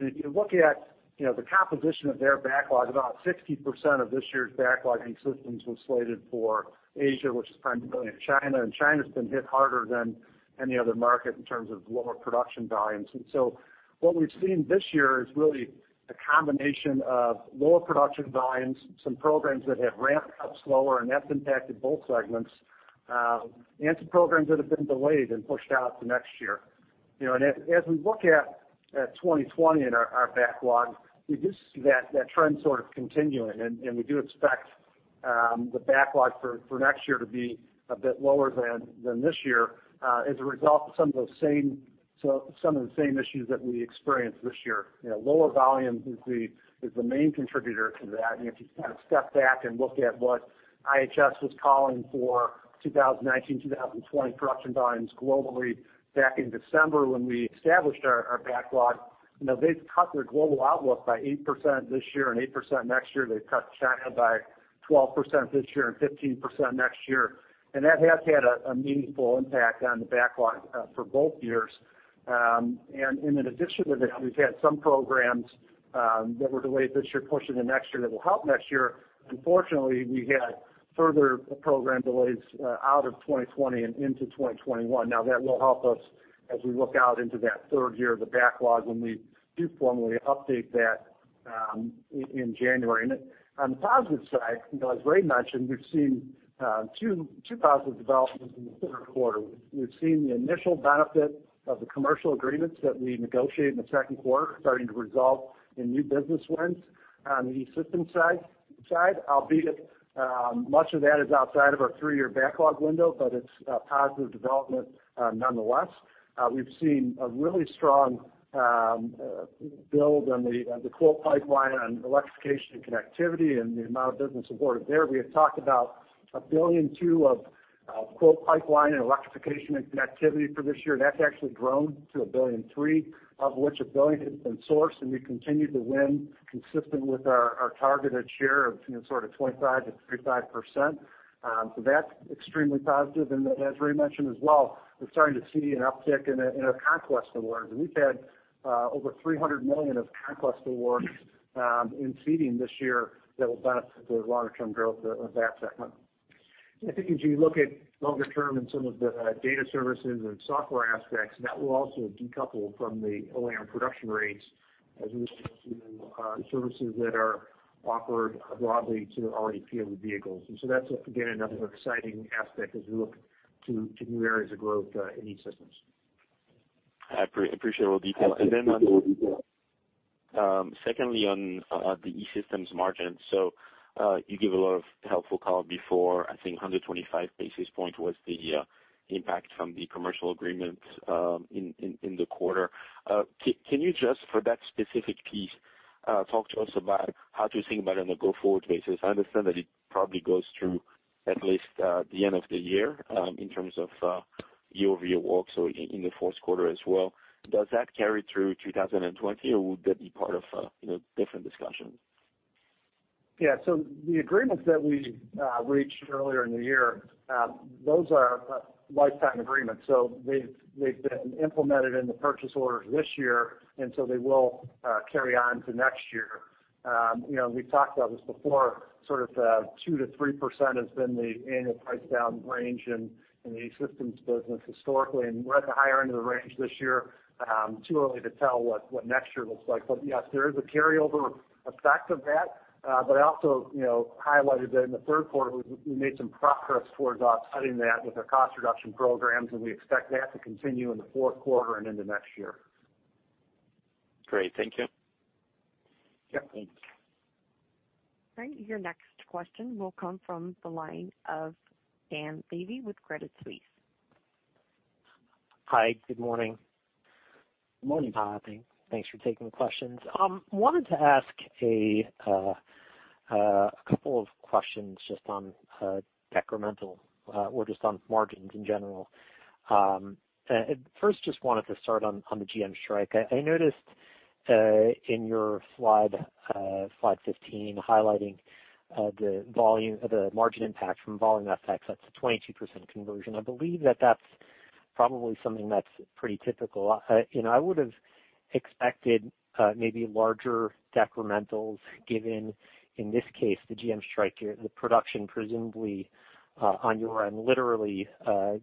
If you look at the composition of their backlog, about 60% of this year's backlog in systems was slated for Asia, which is primarily China. China's been hit harder than any other market in terms of lower production volumes. What we've seen this year is really a combination of lower production volumes, some programs that have ramped up slower, and that's impacted both segments, and some programs that have been delayed and pushed out to next year. As we look at 2020 and our backlog, we do see that trend sort of continuing, and we do expect the backlog for next year to be a bit lower than this year as a result of some of the same issues that we experienced this year. Lower volume is the main contributor to that, and if you kind of step back and look at what IHS was calling for 2019, 2020 production volumes globally back in December when we established our backlog. They've cut their global outlook by 8% this year and 8% next year. They've cut China by 12% this year and 15% next year. That has had a meaningful impact on the backlog for both years. In addition to that, we've had some programs that were delayed this year, pushing to next year, that will help next year. Unfortunately, we had further program delays out of 2020 and into 2021. That will help us as we look out into that third year of the backlog when we do formally update that In January. On the positive side, as Ray mentioned, we've seen two positive developments in the third quarter. We've seen the initial benefit of the commercial agreements that we negotiated in the second quarter starting to result in new business wins on the E-Systems side, albeit much of that is outside of our three-year backlog window, but it's a positive development nonetheless. We've seen a really strong build on the quote pipeline on electrification and connectivity, and the amount of business awarded there. We have talked about $1.2 billion of quote pipeline and electrification and connectivity for this year. That's actually grown to $1.3 billion, of which $1 billion has been sourced, and we continue to win consistent with our targeted share of sort of 25%-35%. So that's extremely positive. As Ray mentioned as well, we're starting to see an uptick in our conquest awards. We've had over $300 million of conquest awards in Seating this year that will benefit the longer-term growth of that segment. I think as you look at longer term in some of the data services and software aspects, that will also decouple from the OEM production rates as we move to the services that are offered broadly to an already fleet of vehicles. That's, again, another exciting aspect as we look to new areas of growth in E-Systems. I appreciate all the detail. Secondly on the E-Systems margin. You gave a lot of helpful color before, I think 125 basis point was the impact from the commercial agreements in the quarter. Can you just, for that specific piece, talk to us about how to think about it on a go-forward basis? I understand that it probably goes through at least the end of the year in terms of year-over-year walks or in the fourth quarter as well. Does that carry through 2020 or would that be part of different discussions? Yeah. The agreements that we reached earlier in the year, those are lifetime agreements, so they've been implemented in the purchase orders this year, and so they will carry on to next year. We've talked about this before, sort of 2%-3% has been the annual price down range in the E-Systems business historically, and we're at the higher end of the range this year. Too early to tell what next year looks like. Yes, there is a carryover effect of that. I also highlighted that in the third quarter, we made some progress towards offsetting that with our cost reduction programs, and we expect that to continue in the fourth quarter and into next year. Great. Thank you. Yeah. Thanks. All right. Your next question will come from the line of Dan Levy with Credit Suisse. Hi. Good morning. Morning. Thanks for taking the questions. Wanted to ask a couple of questions just on decremental or just on margins in general. First, just wanted to start on the GM strike. I noticed in your slide 15 highlighting the margin impact from volume effects, that's a 22% conversion. I believe that that's probably something that's pretty typical. I would've expected maybe larger decrementals given, in this case, the GM strike, the production presumably on your end literally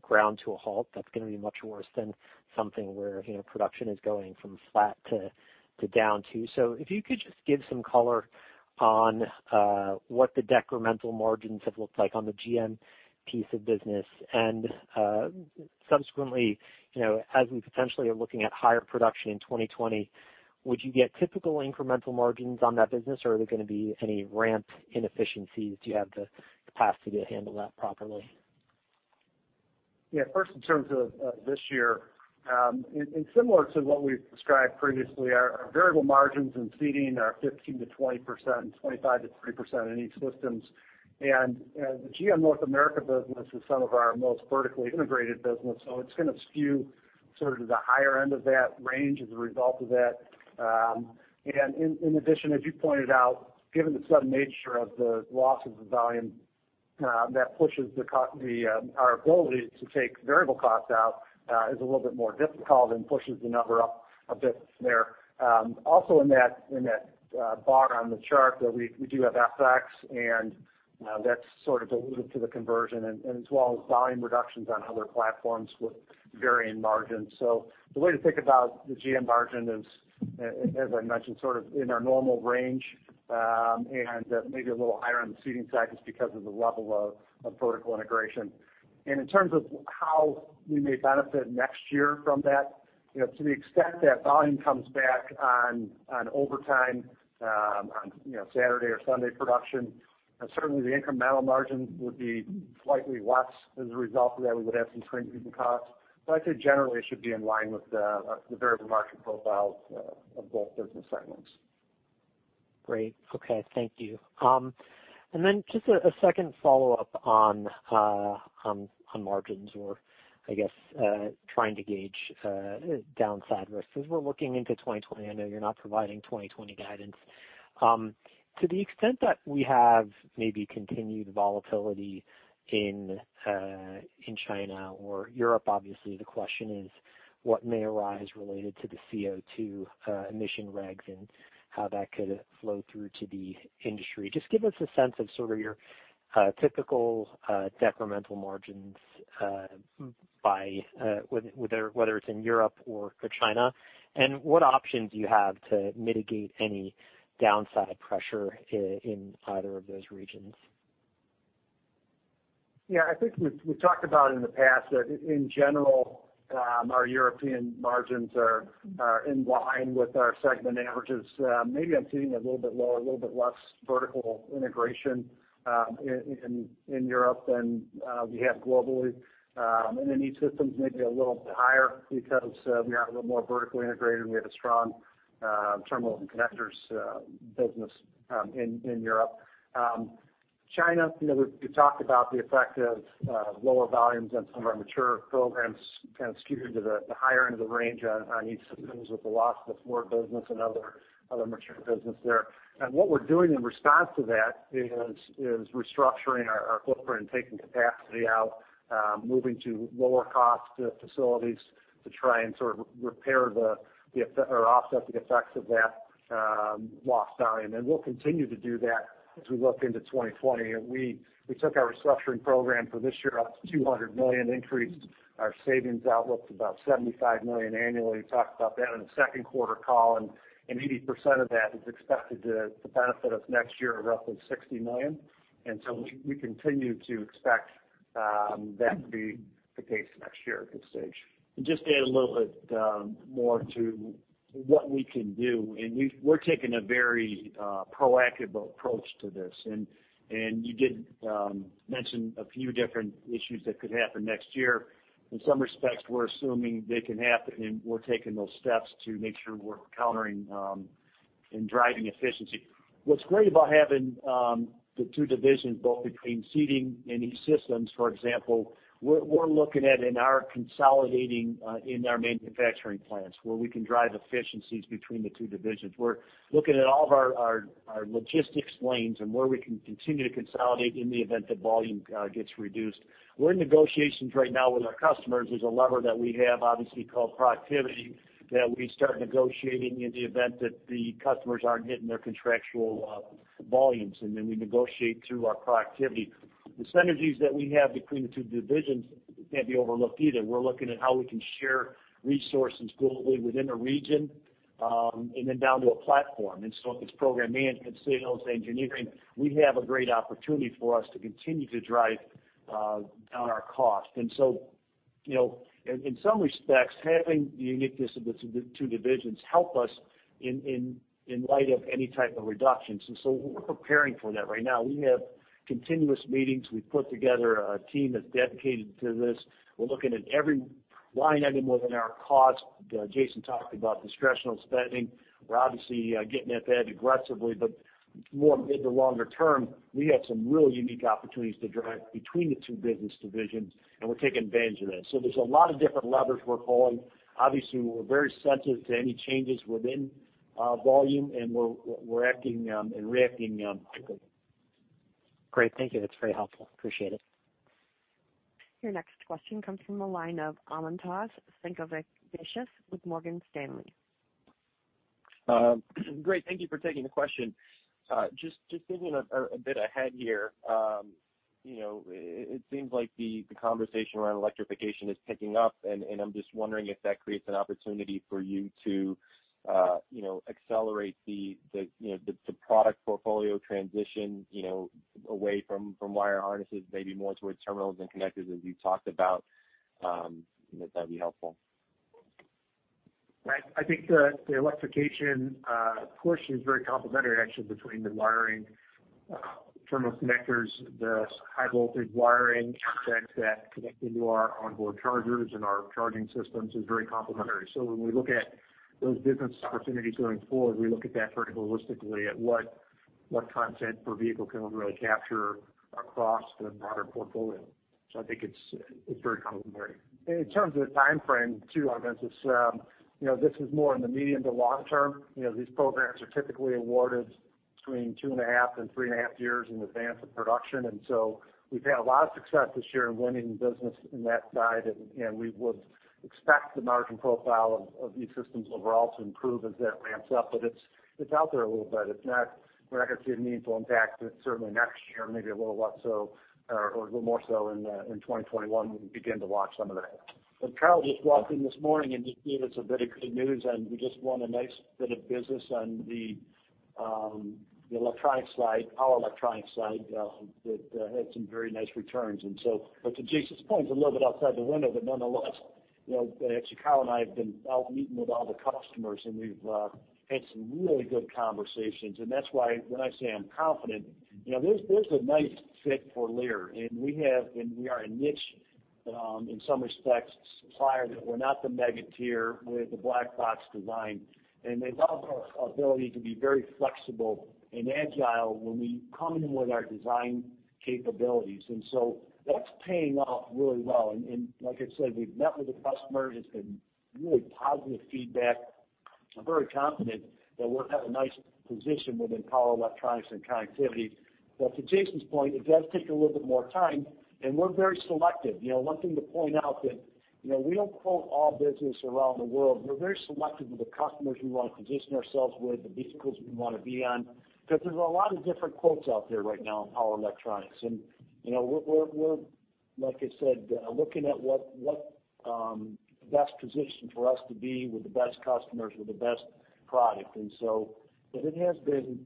ground to a halt. That's going to be much worse than something where production is going from flat to down too. If you could just give some color on what the decremental margins have looked like on the GM piece of business. Subsequently, as we potentially are looking at higher production in 2020, would you get typical incremental margins on that business, or are there going to be any ramp inefficiencies? Do you have the capacity to handle that properly? Yeah. First, in terms of this year, similar to what we've described previously, our variable margins in Seating are 15%-20% and 25%-30% in E-Systems. The GM North America business is some of our most vertically integrated business, so it's going to skew sort of to the higher end of that range as a result of that. In addition, as you pointed out, given the sudden nature of the loss of the volume that pushes our ability to take variable costs out is a little bit more difficult and pushes the number up a bit there. In that bar on the chart that we do have FX, and that's sort of alluded to the conversion as well as volume reductions on other platforms with varying margins. The way to think about the GM margin is, as I mentioned, sort of in our normal range, and maybe a little higher on the seating side just because of the level of vertical integration. In terms of how we may benefit next year from that, to the extent that volume comes back on overtime, on Saturday or Sunday production, certainly the incremental margin would be slightly less as a result of that. We would have some incremental costs, but I'd say generally should be in line with the variable margin profiles of both business segments. Great. Okay. Thank you. Just a second follow-up on margins or I guess trying to gauge downside risks as we're looking into 2020. I know you're not providing 2020 guidance. To the extent that we have maybe continued volatility in China or Europe, obviously the question is what may arise related to the CO2 emission regs and how that could flow through to the industry. Just give us a sense of sort of your typical decremental margins by whether it's in Europe or China, and what options you have to mitigate any downside pressure in either of those regions? Yeah, I think we've talked about in the past that in general, our European margins are in line with our segment averages. Maybe I'm seeing it a little bit lower, a little bit less vertical integration in Europe than we have globally. E-Systems may be a little bit higher because we are a little more vertically integrated, and we have a strong terminals and connectors business in Europe. China, we talked about the effect of lower volumes on some of our mature programs, kind of skewed into the higher end of the range on E-Systems with the loss of the Ford business and other mature business there. What we're doing in response to that is restructuring our footprint and taking capacity out, moving to lower-cost facilities to try and sort of repair or offset the effects of that lost volume. We'll continue to do that as we look into 2020. We took our restructuring program for this year up to $200 million increase. Our savings outlook's about $75 million annually. We talked about that on the second quarter call, and 80% of that is expected to benefit us next year of roughly $60 million. So we continue to expect that to be the case next year at this stage. Just to add a little bit more to what we can do, we're taking a very proactive approach to this. You did mention a few different issues that could happen next year. In some respects, we're assuming they can happen, and we're taking those steps to make sure we're countering and driving efficiency. What's great about having the two divisions, both between Seating and E-Systems, for example, we're looking at consolidating in our manufacturing plants where we can drive efficiencies between the two divisions. We're looking at all of our logistics lanes and where we can continue to consolidate in the event that volume gets reduced. We're in negotiations right now with our customers. There's a lever that we have obviously called productivity that we start negotiating in the event that the customers aren't hitting their contractual volumes, and then we negotiate through our productivity. The synergies that we have between the two divisions can't be overlooked either. We're looking at how we can share resources globally within a region, then down to a platform. If it's program management, sales, engineering, we have a great opportunity for us to continue to drive down our cost. In some respects, having the uniqueness of the two divisions help us in light of any type of reductions. We're preparing for that right now. We have continuous meetings. We put together a team that's dedicated to this. We're looking at every line item within our cost. Jason talked about discretional spending. We're obviously getting at that aggressively, but more mid to longer term, we have some really unique opportunities to drive between the two business divisions, and we're taking advantage of that. There's a lot of different levers we're pulling. Obviously, we're very sensitive to any changes within volume, and we're reacting quickly. Great. Thank you. That's very helpful. Appreciate it. Your next question comes from the line of Adam Jonas, Morgan Stanley. Great. Thank you for taking the question. Just thinking a bit ahead here, it seems like the conversation around electrification is picking up, and I'm just wondering if that creates an opportunity for you to accelerate the product portfolio transition away from wire harnesses, maybe more towards terminals and connectors as you talked about. That would be helpful. Right. I think the electrification portion is very complementary, actually, between the wiring terminal connectors, the high voltage wiring content that connect into our onboard chargers and our charging systems is very complementary. When we look at those business opportunities going forward, we look at that very holistically at what content per vehicle can we really capture across the broader portfolio. I think it's very complementary. In terms of the time frame, too, Adam, this is more in the medium to long term. These programs are typically awarded between two and a half and three and a half years in advance of production. We've had a lot of success this year in winning business in that side, and we would expect the margin profile of E-Systems overall to improve as that ramps up. It's out there a little bit. We're not going to see a meaningful impact certainly next year, maybe a little more so in 2021, we can begin to watch some of that. Carl just walked in this morning and just gave us a bit of good news, we just won a nice bit of business on the electronics side, power electronics side, that had some very nice returns. But to Jason's point, it's a little bit outside the window, but nonetheless, actually, Carl and I have been out meeting with all the customers, we've had some really good conversations. That's why when I say I'm confident, there's a nice fit for Lear, we are a niche in some respects, supplier that we're not the mega tier with the black box design. They love our ability to be very flexible and agile when we come in with our design capabilities. That's paying off really well. Like I said, we've met with the customer, it's been really positive feedback. I'm very confident that we have a nice position within power electronics and connectivity. To Jason's point, it does take a little bit more time, and we're very selective. One thing to point out that we don't quote all business around the world. We're very selective with the customers we want to position ourselves with, the vehicles we want to be on, because there's a lot of different quotes out there right now on power electronics. And we're Like I said, looking at what best position for us to be with the best customers, with the best product. It has been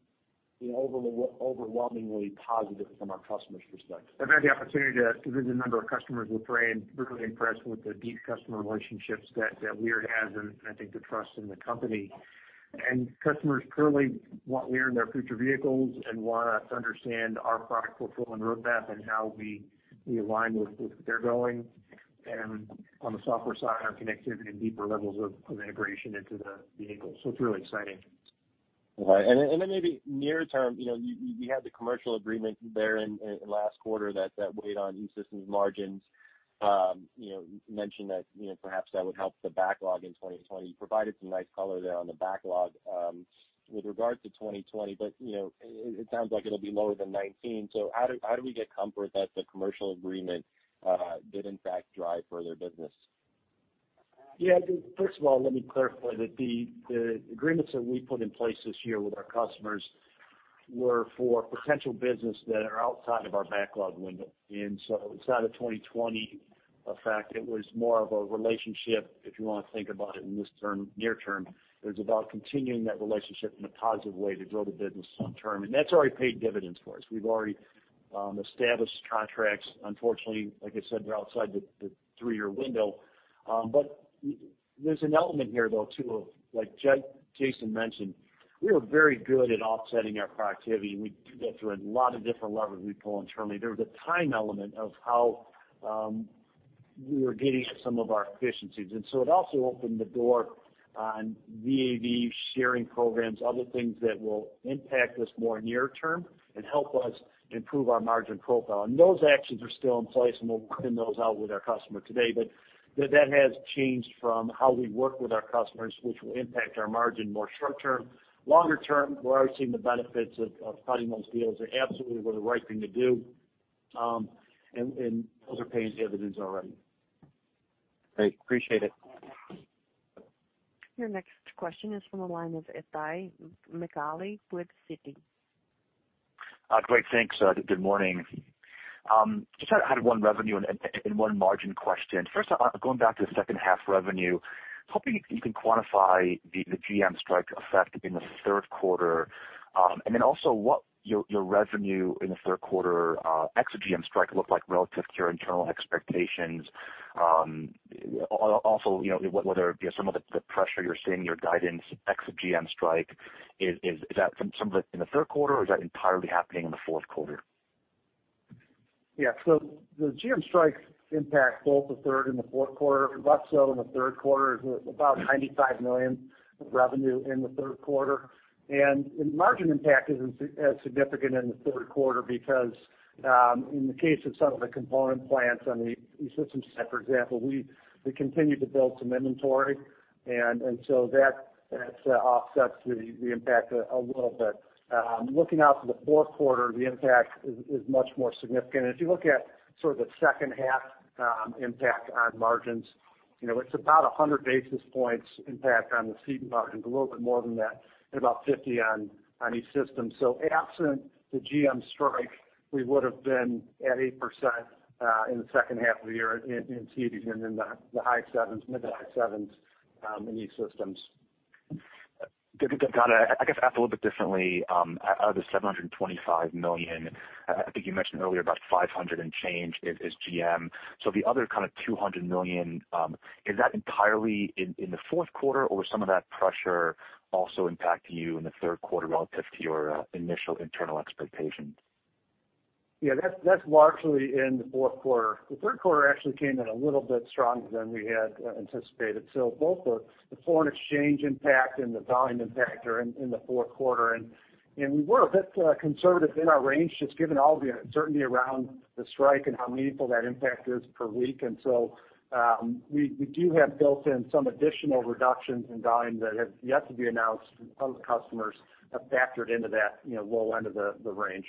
overwhelmingly positive from our customers' perspective. I've had the opportunity to visit a number of customers with Ray and really impressed with the deep customer relationships that Lear has, and I think the trust in the company. Customers clearly want Lear in their future vehicles and want us to understand our product fulfillment roadmap and how we align with where they're going, and on the software side, our connectivity and deeper levels of integration into the vehicle. It's really exciting. All right. Maybe near term, you had the commercial agreement therein in last quarter that weighed on E-Systems margins. You mentioned that perhaps that would help the backlog in 2020. You provided some nice color there on the backlog with regard to 2020. It sounds like it'll be lower than 2019. How do we get comfort that the commercial agreement did in fact drive further business? First of all, let me clarify that the agreements that we put in place this year with our customers were for potential business that are outside of our backlog window. It's not a 2020 effect. It was more of a relationship, if you want to think about it in this near term. It was about continuing that relationship in a positive way to grow the business long term. That's already paid dividends for us. We've already established contracts. Unfortunately, like I said, they're outside the three-year window. There's an element here, though, too, of like Jason mentioned, we are very good at offsetting our productivity, and we do that through a lot of different levers we pull internally. There was a time element of how we were getting at some of our efficiencies. It also opened the door on VA/VE sharing programs, other things that will impact us more near term and help us improve our margin profile. Those actions are still in place, and we'll work those out with our customer today. That has changed from how we work with our customers, which will impact our margin more short term. Longer term, we're already seeing the benefits of cutting those deals. They absolutely were the right thing to do. Those are paying dividends already. Great. Appreciate it. Your next question is from the line of Itay Michaeli with Citi. Great. Thanks. Good morning. Just had one revenue and one margin question. First, going back to the second half revenue, hoping you can quantify the GM strike effect in the third quarter. Also what your revenue in the third quarter ex of GM strike look like relative to your internal expectations. Also, whether some of the pressure you're seeing in your guidance ex of GM strike, is that from some of it in the third quarter, or is that entirely happening in the fourth quarter? Yeah. The GM strike impacts both the third and the fourth quarter. In the third quarter is about $95 million of revenue in the third quarter. The margin impact isn't as significant in the third quarter because, in the case of some of the component plants on the E-Systems side, for example, we continued to build some inventory, and so that offsets the impact a little bit. Looking out to the fourth quarter, the impact is much more significant. If you look at sort of the second half impact on margins, it's about 100 basis points impact on the Seating margins, a little bit more than that, and about 50 on E-Systems. Absent the GM strike, we would've been at 8% in the second half of the year in Seating and in the mid to high sevens in E-Systems. Got it. I guess ask a little bit differently. Out of the $725 million, I think you mentioned earlier about $500 and change is GM. The other kind of $200 million, is that entirely in the fourth quarter or some of that pressure also impacting you in the third quarter relative to your initial internal expectation? Yeah, that's largely in the fourth quarter. The third quarter actually came in a little bit stronger than we had anticipated. Both the foreign exchange impact and the volume impact are in the fourth quarter. We were a bit conservative in our range, just given all the uncertainty around the strike and how meaningful that impact is per week, and so, we do have built in some additional reductions in volume that have yet to be announced from some customers, have factored into that low end of the range.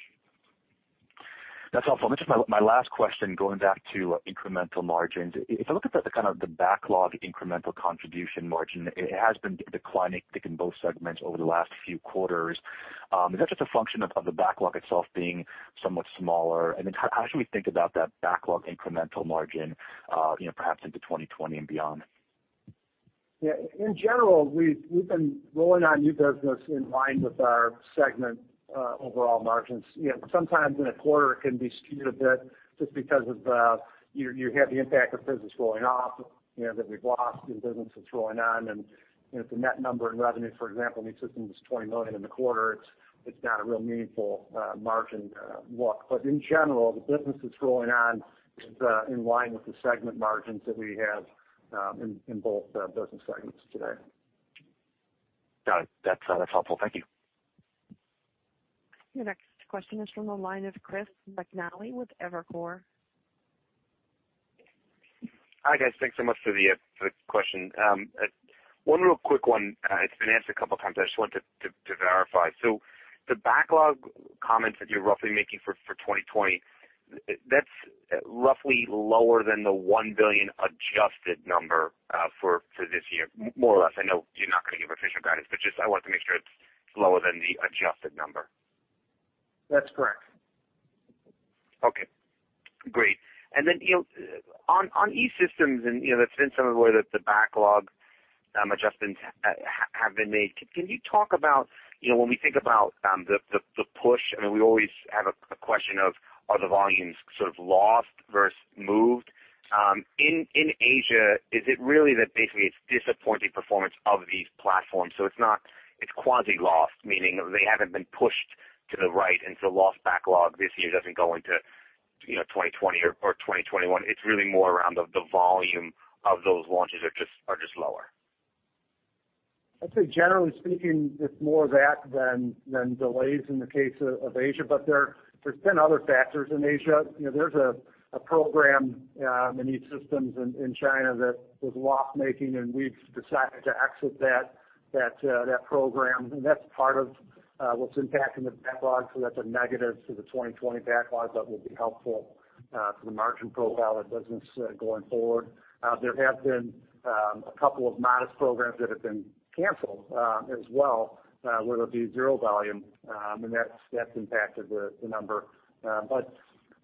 That's helpful. I think my last question, going back to incremental margins. If I look at the kind of the backlog incremental contribution margin, it has been declining, I think, in both segments over the last few quarters. Is that just a function of the backlog itself being somewhat smaller? How should we think about that backlog incremental margin perhaps into 2020 and beyond? Yeah. In general, we've been rolling our new business in line with our segment overall margins. Sometimes in a quarter it can be skewed a bit just because of you have the impact of business rolling off, that we've lost new business that's rolling on, and if the net number in revenue, for example, in E-Systems is $20 million in the quarter, it's not a real meaningful margin look. In general, the business that's rolling on is in line with the segment margins that we have in both business segments today. Got it. That's helpful. Thank you. Your next question is from the line of Chris McNally with Evercore. Hi, guys. Thanks so much for the question. One real quick one. It's been answered a couple times. I just wanted to verify. The backlog comments that you're roughly making for 2020, that's roughly lower than the $1 billion adjusted number for this year, more or less. I know you're not going to give official guidance, just I wanted to make sure it's lower than the adjusted number. That's correct. Okay, great. On E-Systems, that's been some of the way that the backlog adjustments have been made. Can you talk about when we think about the push, I mean, we always have a question of are the volumes sort of lost versus moved? In Asia, is it really that basically it's disappointing performance of these platforms, so it's quasi lost, meaning they haven't been pushed to the right into lost backlog this year doesn't go into 2020 or 2021? It's really more around the volume of those launches are just lower. I'd say generally speaking, it's more that than delays in the case of Asia, but there's been other factors in Asia. There's a program in E-Systems in China that was loss-making, and we've decided to exit that program. That's part of what's impacting the backlog, so that's a negative to the 2020 backlog that will be helpful for the margin profile of the business going forward. There have been a couple of modest programs that have been canceled as well, where there'll be zero volume, and that's impacted the number.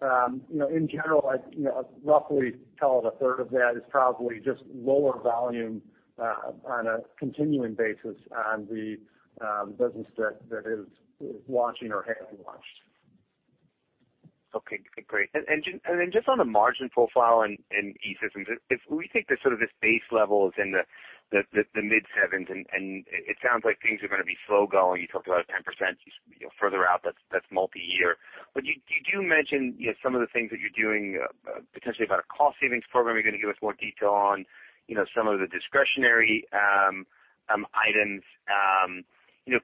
In general, I'd roughly tell a third of that is probably just lower volume on a continuing basis on the business that is launching or has launched. Okay, great. Just on the margin profile in E-Systems, if we take the sort of this base level is in the mid 7%s, it sounds like things are going to be slow going. You talked about 10%, further out, that's multi-year. You do mention some of the things that you're doing, potentially you've got a cost savings program you're going to give us more detail on, some of the discretionary items.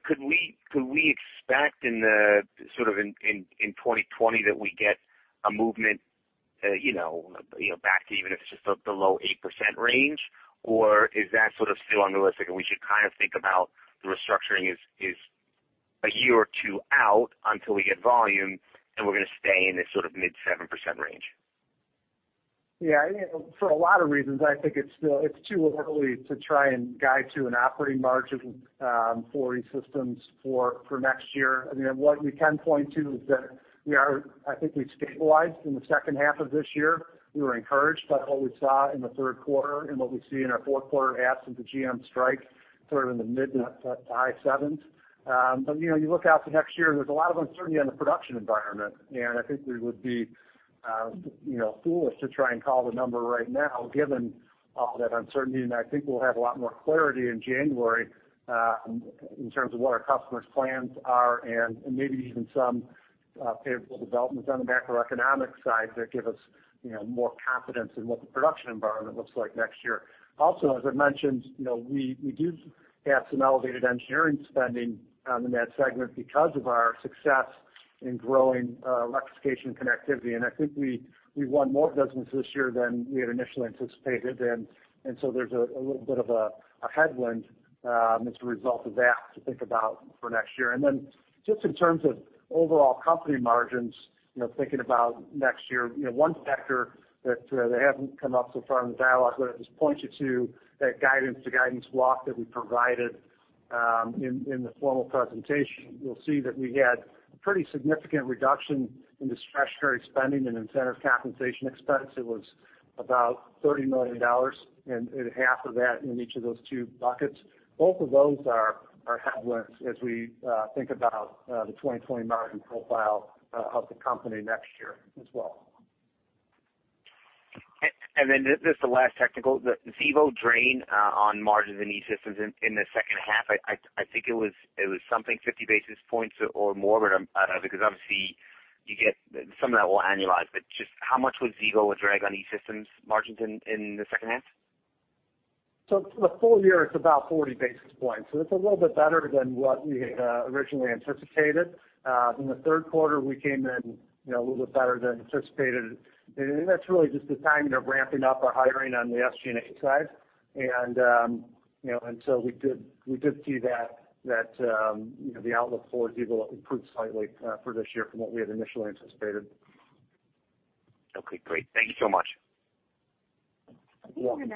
Could we expect in 2020 that we get a movement back to even if it's just the low 8% range? Is that sort of still unrealistic and we should kind of think about the restructuring is a year or two out until we get volume, and we're going to stay in this sort of mid 7% range? Yeah. For a lot of reasons, I think it's too early to try and guide to an operating margin for E-Systems for next year. What we can point to is that I think we've stabilized in the second half of this year. We were encouraged by what we saw in the third quarter and what we see in our fourth quarter abs of the GM strike sort of in the mid to high sevens. You look out to next year, there's a lot of uncertainty on the production environment and I think we would be foolish to try and call the number right now given all that uncertainty. I think we'll have a lot more clarity in January in terms of what our customers' plans are and maybe even some favorable developments on the macroeconomic side that give us more confidence in what the production environment looks like next year. Also, as I mentioned, we do have some elevated engineering spending in that segment because of our success in growing electrification and connectivity. I think we won more business this year than we had initially anticipated in. There's a little bit of a headwind as a result of that to think about for next year. Just in terms of overall company margins, thinking about next year, one factor that hasn't come up so far in the dialogue, but I'll just point you to that guidance to guidance block that we provided in the formal presentation. You'll see that we had a pretty significant reduction in discretionary spending and incentive compensation expense. It was about $30 million and half of that in each of those two buckets. Both of those are headwinds as we think about the 2020 margin profile of the company next year as well. Just the last technical, the Xevo drain on margins in E-Systems in the second half, I think it was something 50 basis points or more, but I don't know, because obviously you get some of that will annualize, but just how much was Xevo a drag on E-Systems margins in the second half? For the full year, it's about 40 basis points. It's a little bit better than what we had originally anticipated. In the third quarter, we came in a little bit better than anticipated. That's really just the timing of ramping up our hiring on the SG&A side. We did see that the outlook for Xevo improved slightly for this year from what we had initially anticipated. Okay, great. Thank you so much. You're welcome.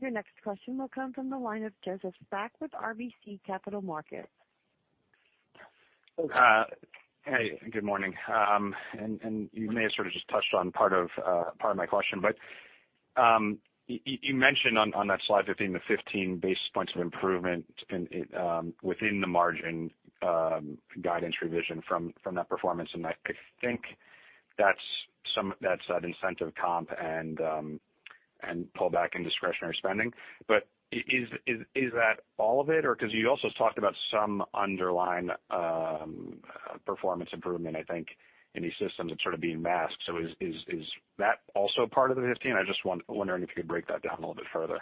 Your next question will come from the line of Joseph Spak with RBC Capital Markets. Hey, good morning. You may have sort of just touched on part of my question, but you mentioned on that slide 15, the 15 basis points of improvement within the margin guidance revision from that performance, and I think that's that incentive comp and pullback in discretionary spending. Is that all of it? You also talked about some underlying performance improvement, I think, in E-Systems that's sort of being masked. Is that also part of the 15? I'm just wondering if you could break that down a little bit further.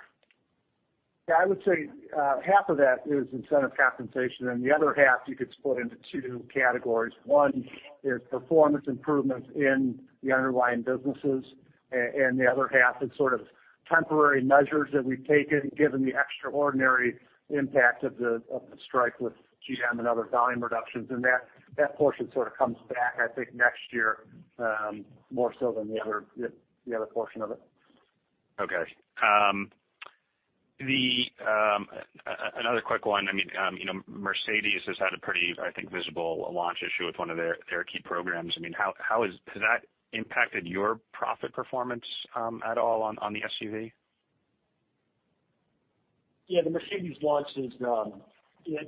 I would say half of that is incentive compensation, and the other half you could split into two categories. One is performance improvements in the underlying businesses, and the other half is sort of temporary measures that we've taken given the extraordinary impact of the strike with GM and other volume reductions. That portion sort of comes back, I think, next year more so than the other portion of it. Okay. Another quick one. Mercedes-Benz has had a pretty, I think, visible launch issue with one of their key programs. Has that impacted your profit performance at all on the SUV? Yeah. The Mercedes-Benz launch is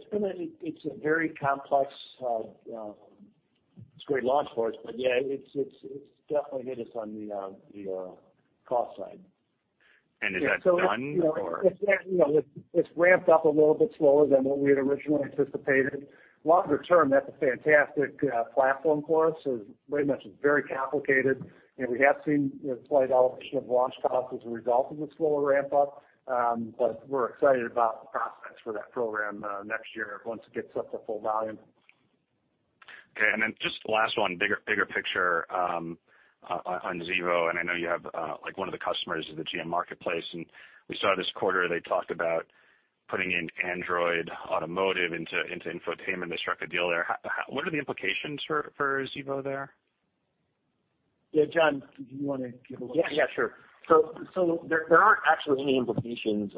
a very complex. It's a great launch for us, but yeah, it's definitely hit us on the cost side. Is that done, or? It's ramped up a little bit slower than what we had originally anticipated. Longer term, that's a fantastic platform for us. Very much, it's very complicated, and we have seen a slight elevation of launch costs as a result of the slower ramp-up. We're excited about the prospects for that program next year, once it gets up to full volume. Okay. Just the last one, bigger picture on Xevo, I know you have one of the customers in the GM Marketplace, we saw this quarter they talked about putting in Android Automotive into infotainment. They struck a deal there. What are the implications for Xevo there? Yeah, John, do you want to give a look? Yeah, sure. There aren't actually any implications.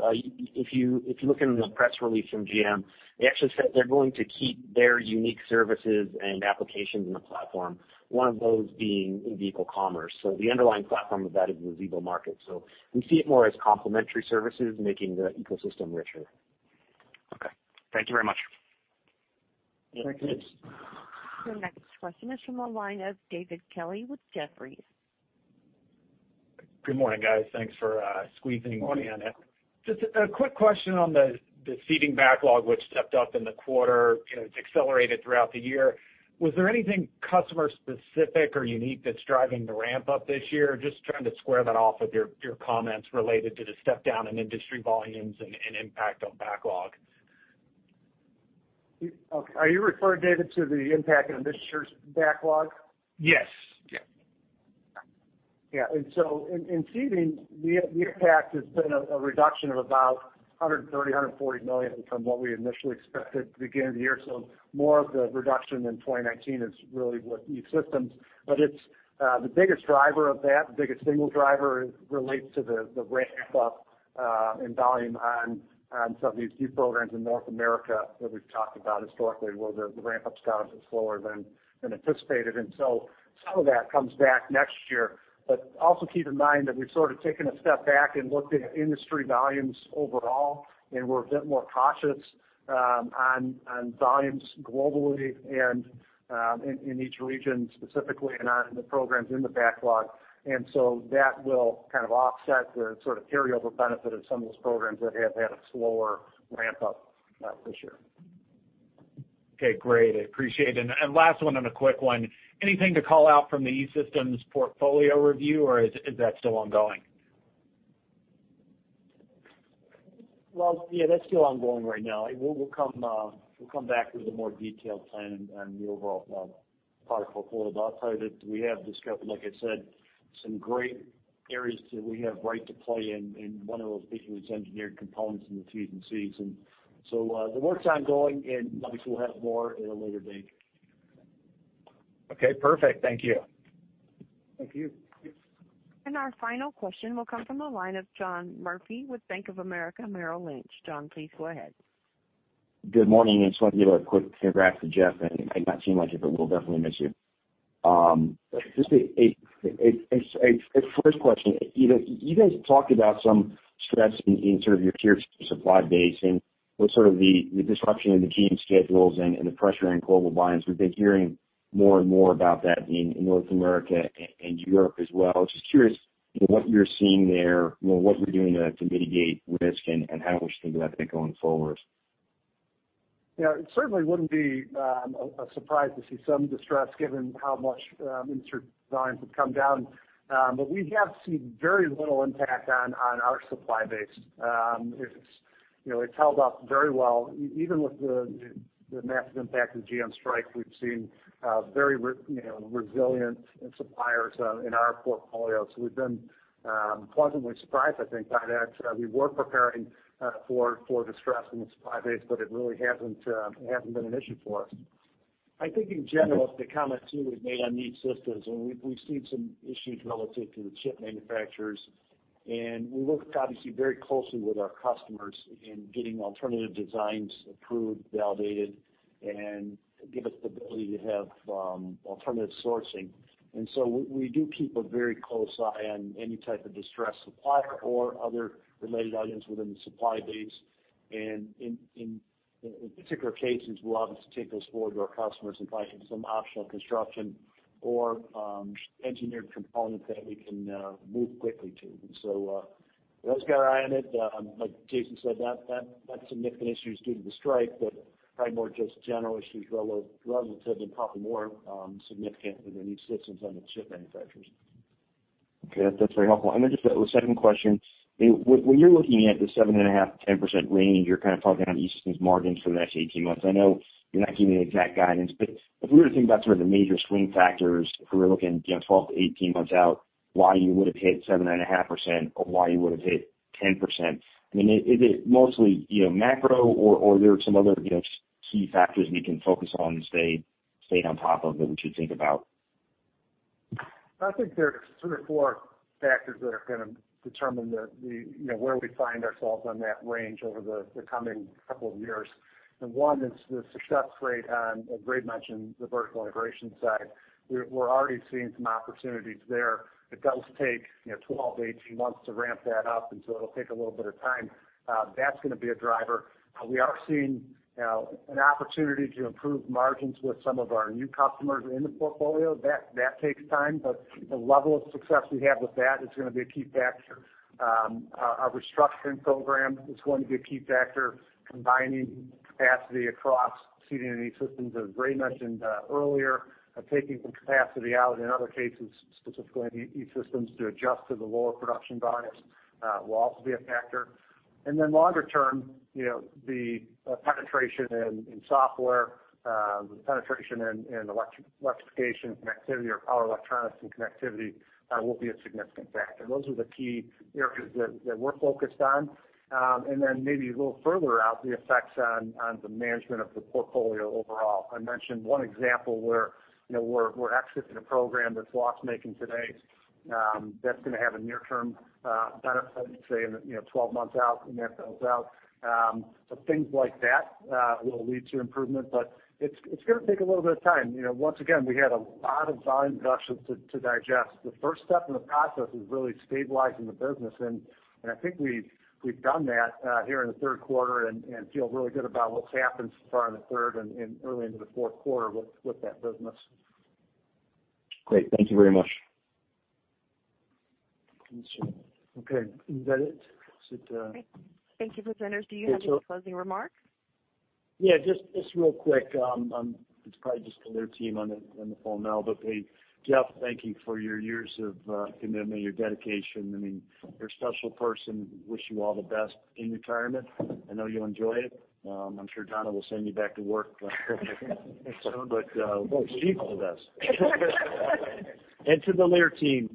If you look in the press release from GM, they actually said they're going to keep their unique services and applications in the platform, one of those being in-vehicle commerce. The underlying platform of that is the Xevo Market. We see it more as complementary services making the ecosystem richer. Okay. Thank you very much. Thank you. Your next question is from the line of David Kelley with Jefferies. Good morning, guys. Thanks for squeezing me on. Good morning. Just a quick question on the seating backlog, which stepped up in the quarter. It's accelerated throughout the year. Was there anything customer specific or unique that's driving the ramp-up this year? Just trying to square that off with your comments related to the step-down in industry volumes and impact on backlog. Okay. Are you referring, David, to the impact on this year's backlog? Yes. Yeah. In Seating, the impact has been a reduction of about $130 million, $140 million from what we initially expected at the beginning of the year. More of the reduction in 2019 is really with E-Systems, but the biggest driver of that, the biggest single driver relates to the ramp-up in volume on some of these new programs in North America that we've talked about historically, where the ramp-ups got off slower than anticipated. Some of that comes back next year. Also keep in mind that we've sort of taken a step back and looked at industry volumes overall, and we're a bit more cautious on volumes globally and in each region specifically and on the programs in the backlog. That will kind of offset the sort of carryover benefit of some of those programs that have had a slower ramp-up this year. Okay, great. I appreciate it. Last one, and a quick one. Anything to call out from the E-Systems portfolio review, or is that still ongoing? Well, yeah, that's still ongoing right now. We'll come back with a more detailed plan on the overall product portfolio. I'll tell you that we have discovered, like I said, some great areas that we have right to play in, and one of those big is engineered components in the Ts and Cs. The work's ongoing, and obviously we'll have more at a later date. Okay, perfect. Thank you. Thank you. Our final question will come from the line of John Murphy with Bank of America, Merrill Lynch. John, please go ahead. Good morning. I just wanted to give a quick congrats to Jeff. It might not seem like it, but we'll definitely miss you. Just a first question. You guys talked about some stress in sort of your tier 2 supply base and with sort of the disruption in the team schedules and the pressure on global volumes. We've been hearing more and more about that in North America and Europe as well. Just curious what you're seeing there, what you're doing there to mitigate risk, and how much things have been going forward. Yeah, it certainly wouldn't be a surprise to see some distress given how much [insert designs] have come down. We have seen very little impact on our supply base. It's held up very well, even with the massive impact of the GM strike. We've seen very resilient suppliers in our portfolio. We've been pleasantly surprised, I think, by that. We were preparing for distress in the supply base, but it really hasn't been an issue for us. I think in general, the comment too we've made on E-Systems, we've seen some issues relative to the chip manufacturers, and we work obviously very closely with our customers in getting alternative designs approved, validated, and give us the ability to have alternative sourcing. We do keep a very close eye on any type of distressed supply or other related items within the supply base. In particular cases, we'll obviously take those forward to our customers and find some optional construction or engineered components that we can move quickly to. Let's keep our eye on it. Like Jason said, that significant issue is due to the strike, but probably more just general issues relative and probably more significant within E-Systems on the chip manufacturers. Okay. That's very helpful. Then just a second question. When you're looking at the 7.5%-10% range, you're kind of talking on E-Systems margins for the next 18 months. I know you're not giving exact guidance, if we were to think about sort of the major swing factors, if we were looking 12-18 months out, why you would have hit 7.5% or why you would have hit 10%, I mean, is it mostly macro or are there some other key factors we can focus on and stay on top of that we should think about? I think there's three or four factors that are going to determine where we find ourselves on that range over the coming couple of years. One is the success rate on, as Ray mentioned, the vertical integration side. We're already seeing some opportunities there. It does take 12-18 months to ramp that up, and so it'll take a little bit of time. That's going to be a driver. We are seeing an opportunity to improve margins with some of our new customers in the portfolio. That takes time, but the level of success we have with that is going to be a key factor. Our restructuring program is going to be a key factor, combining capacity across seating and E-Systems, as Ray mentioned earlier, taking some capacity out in other cases, specifically in E-Systems, to adjust to the lower production volumes will also be a factor. Longer term, the penetration in software, the penetration in electrification connectivity or power electronics and connectivity will be a significant factor. Those are the key areas that we're focused on. Maybe a little further out, the effects on the management of the portfolio overall. I mentioned one example where we're exiting a program that's loss-making today. That's going to have a near-term benefit, say, in 12 months out from that goes out. Things like that will lead to improvement. It's going to take a little bit of time. Once again, we had a lot of volume reductions to digest. The first step in the process was really stabilizing the business, and I think we've done that here in the third quarter and feel really good about what's happened so far in the third and early into the fourth quarter with that business. Great. Thank you very much. Okay. Is that it? Is it? Thank you, presenters. Do you have any closing remarks? Yeah, just real quick. It's probably just the Lear team on the phone now. Hey, Jeff, thank you for your years of commitment, your dedication. I mean, you're a special person. Wish you all the best in retirement. I know you'll enjoy it. I'm sure Donna will send you back to work soon. Well, she's the best. To the Lear team,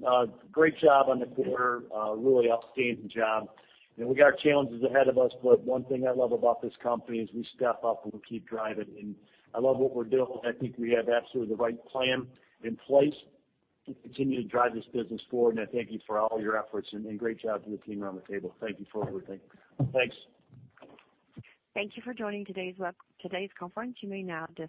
great job on the quarter. Really outstanding job. We got challenges ahead of us, but one thing I love about this company is we step up and we keep driving. I love what we're doing. I think we have absolutely the right plan in place to continue to drive this business forward, and I thank you for all your efforts. Great job to the team around the table. Thank you for everything. Thanks. Thank you for joining today's conference. You may now disconnect.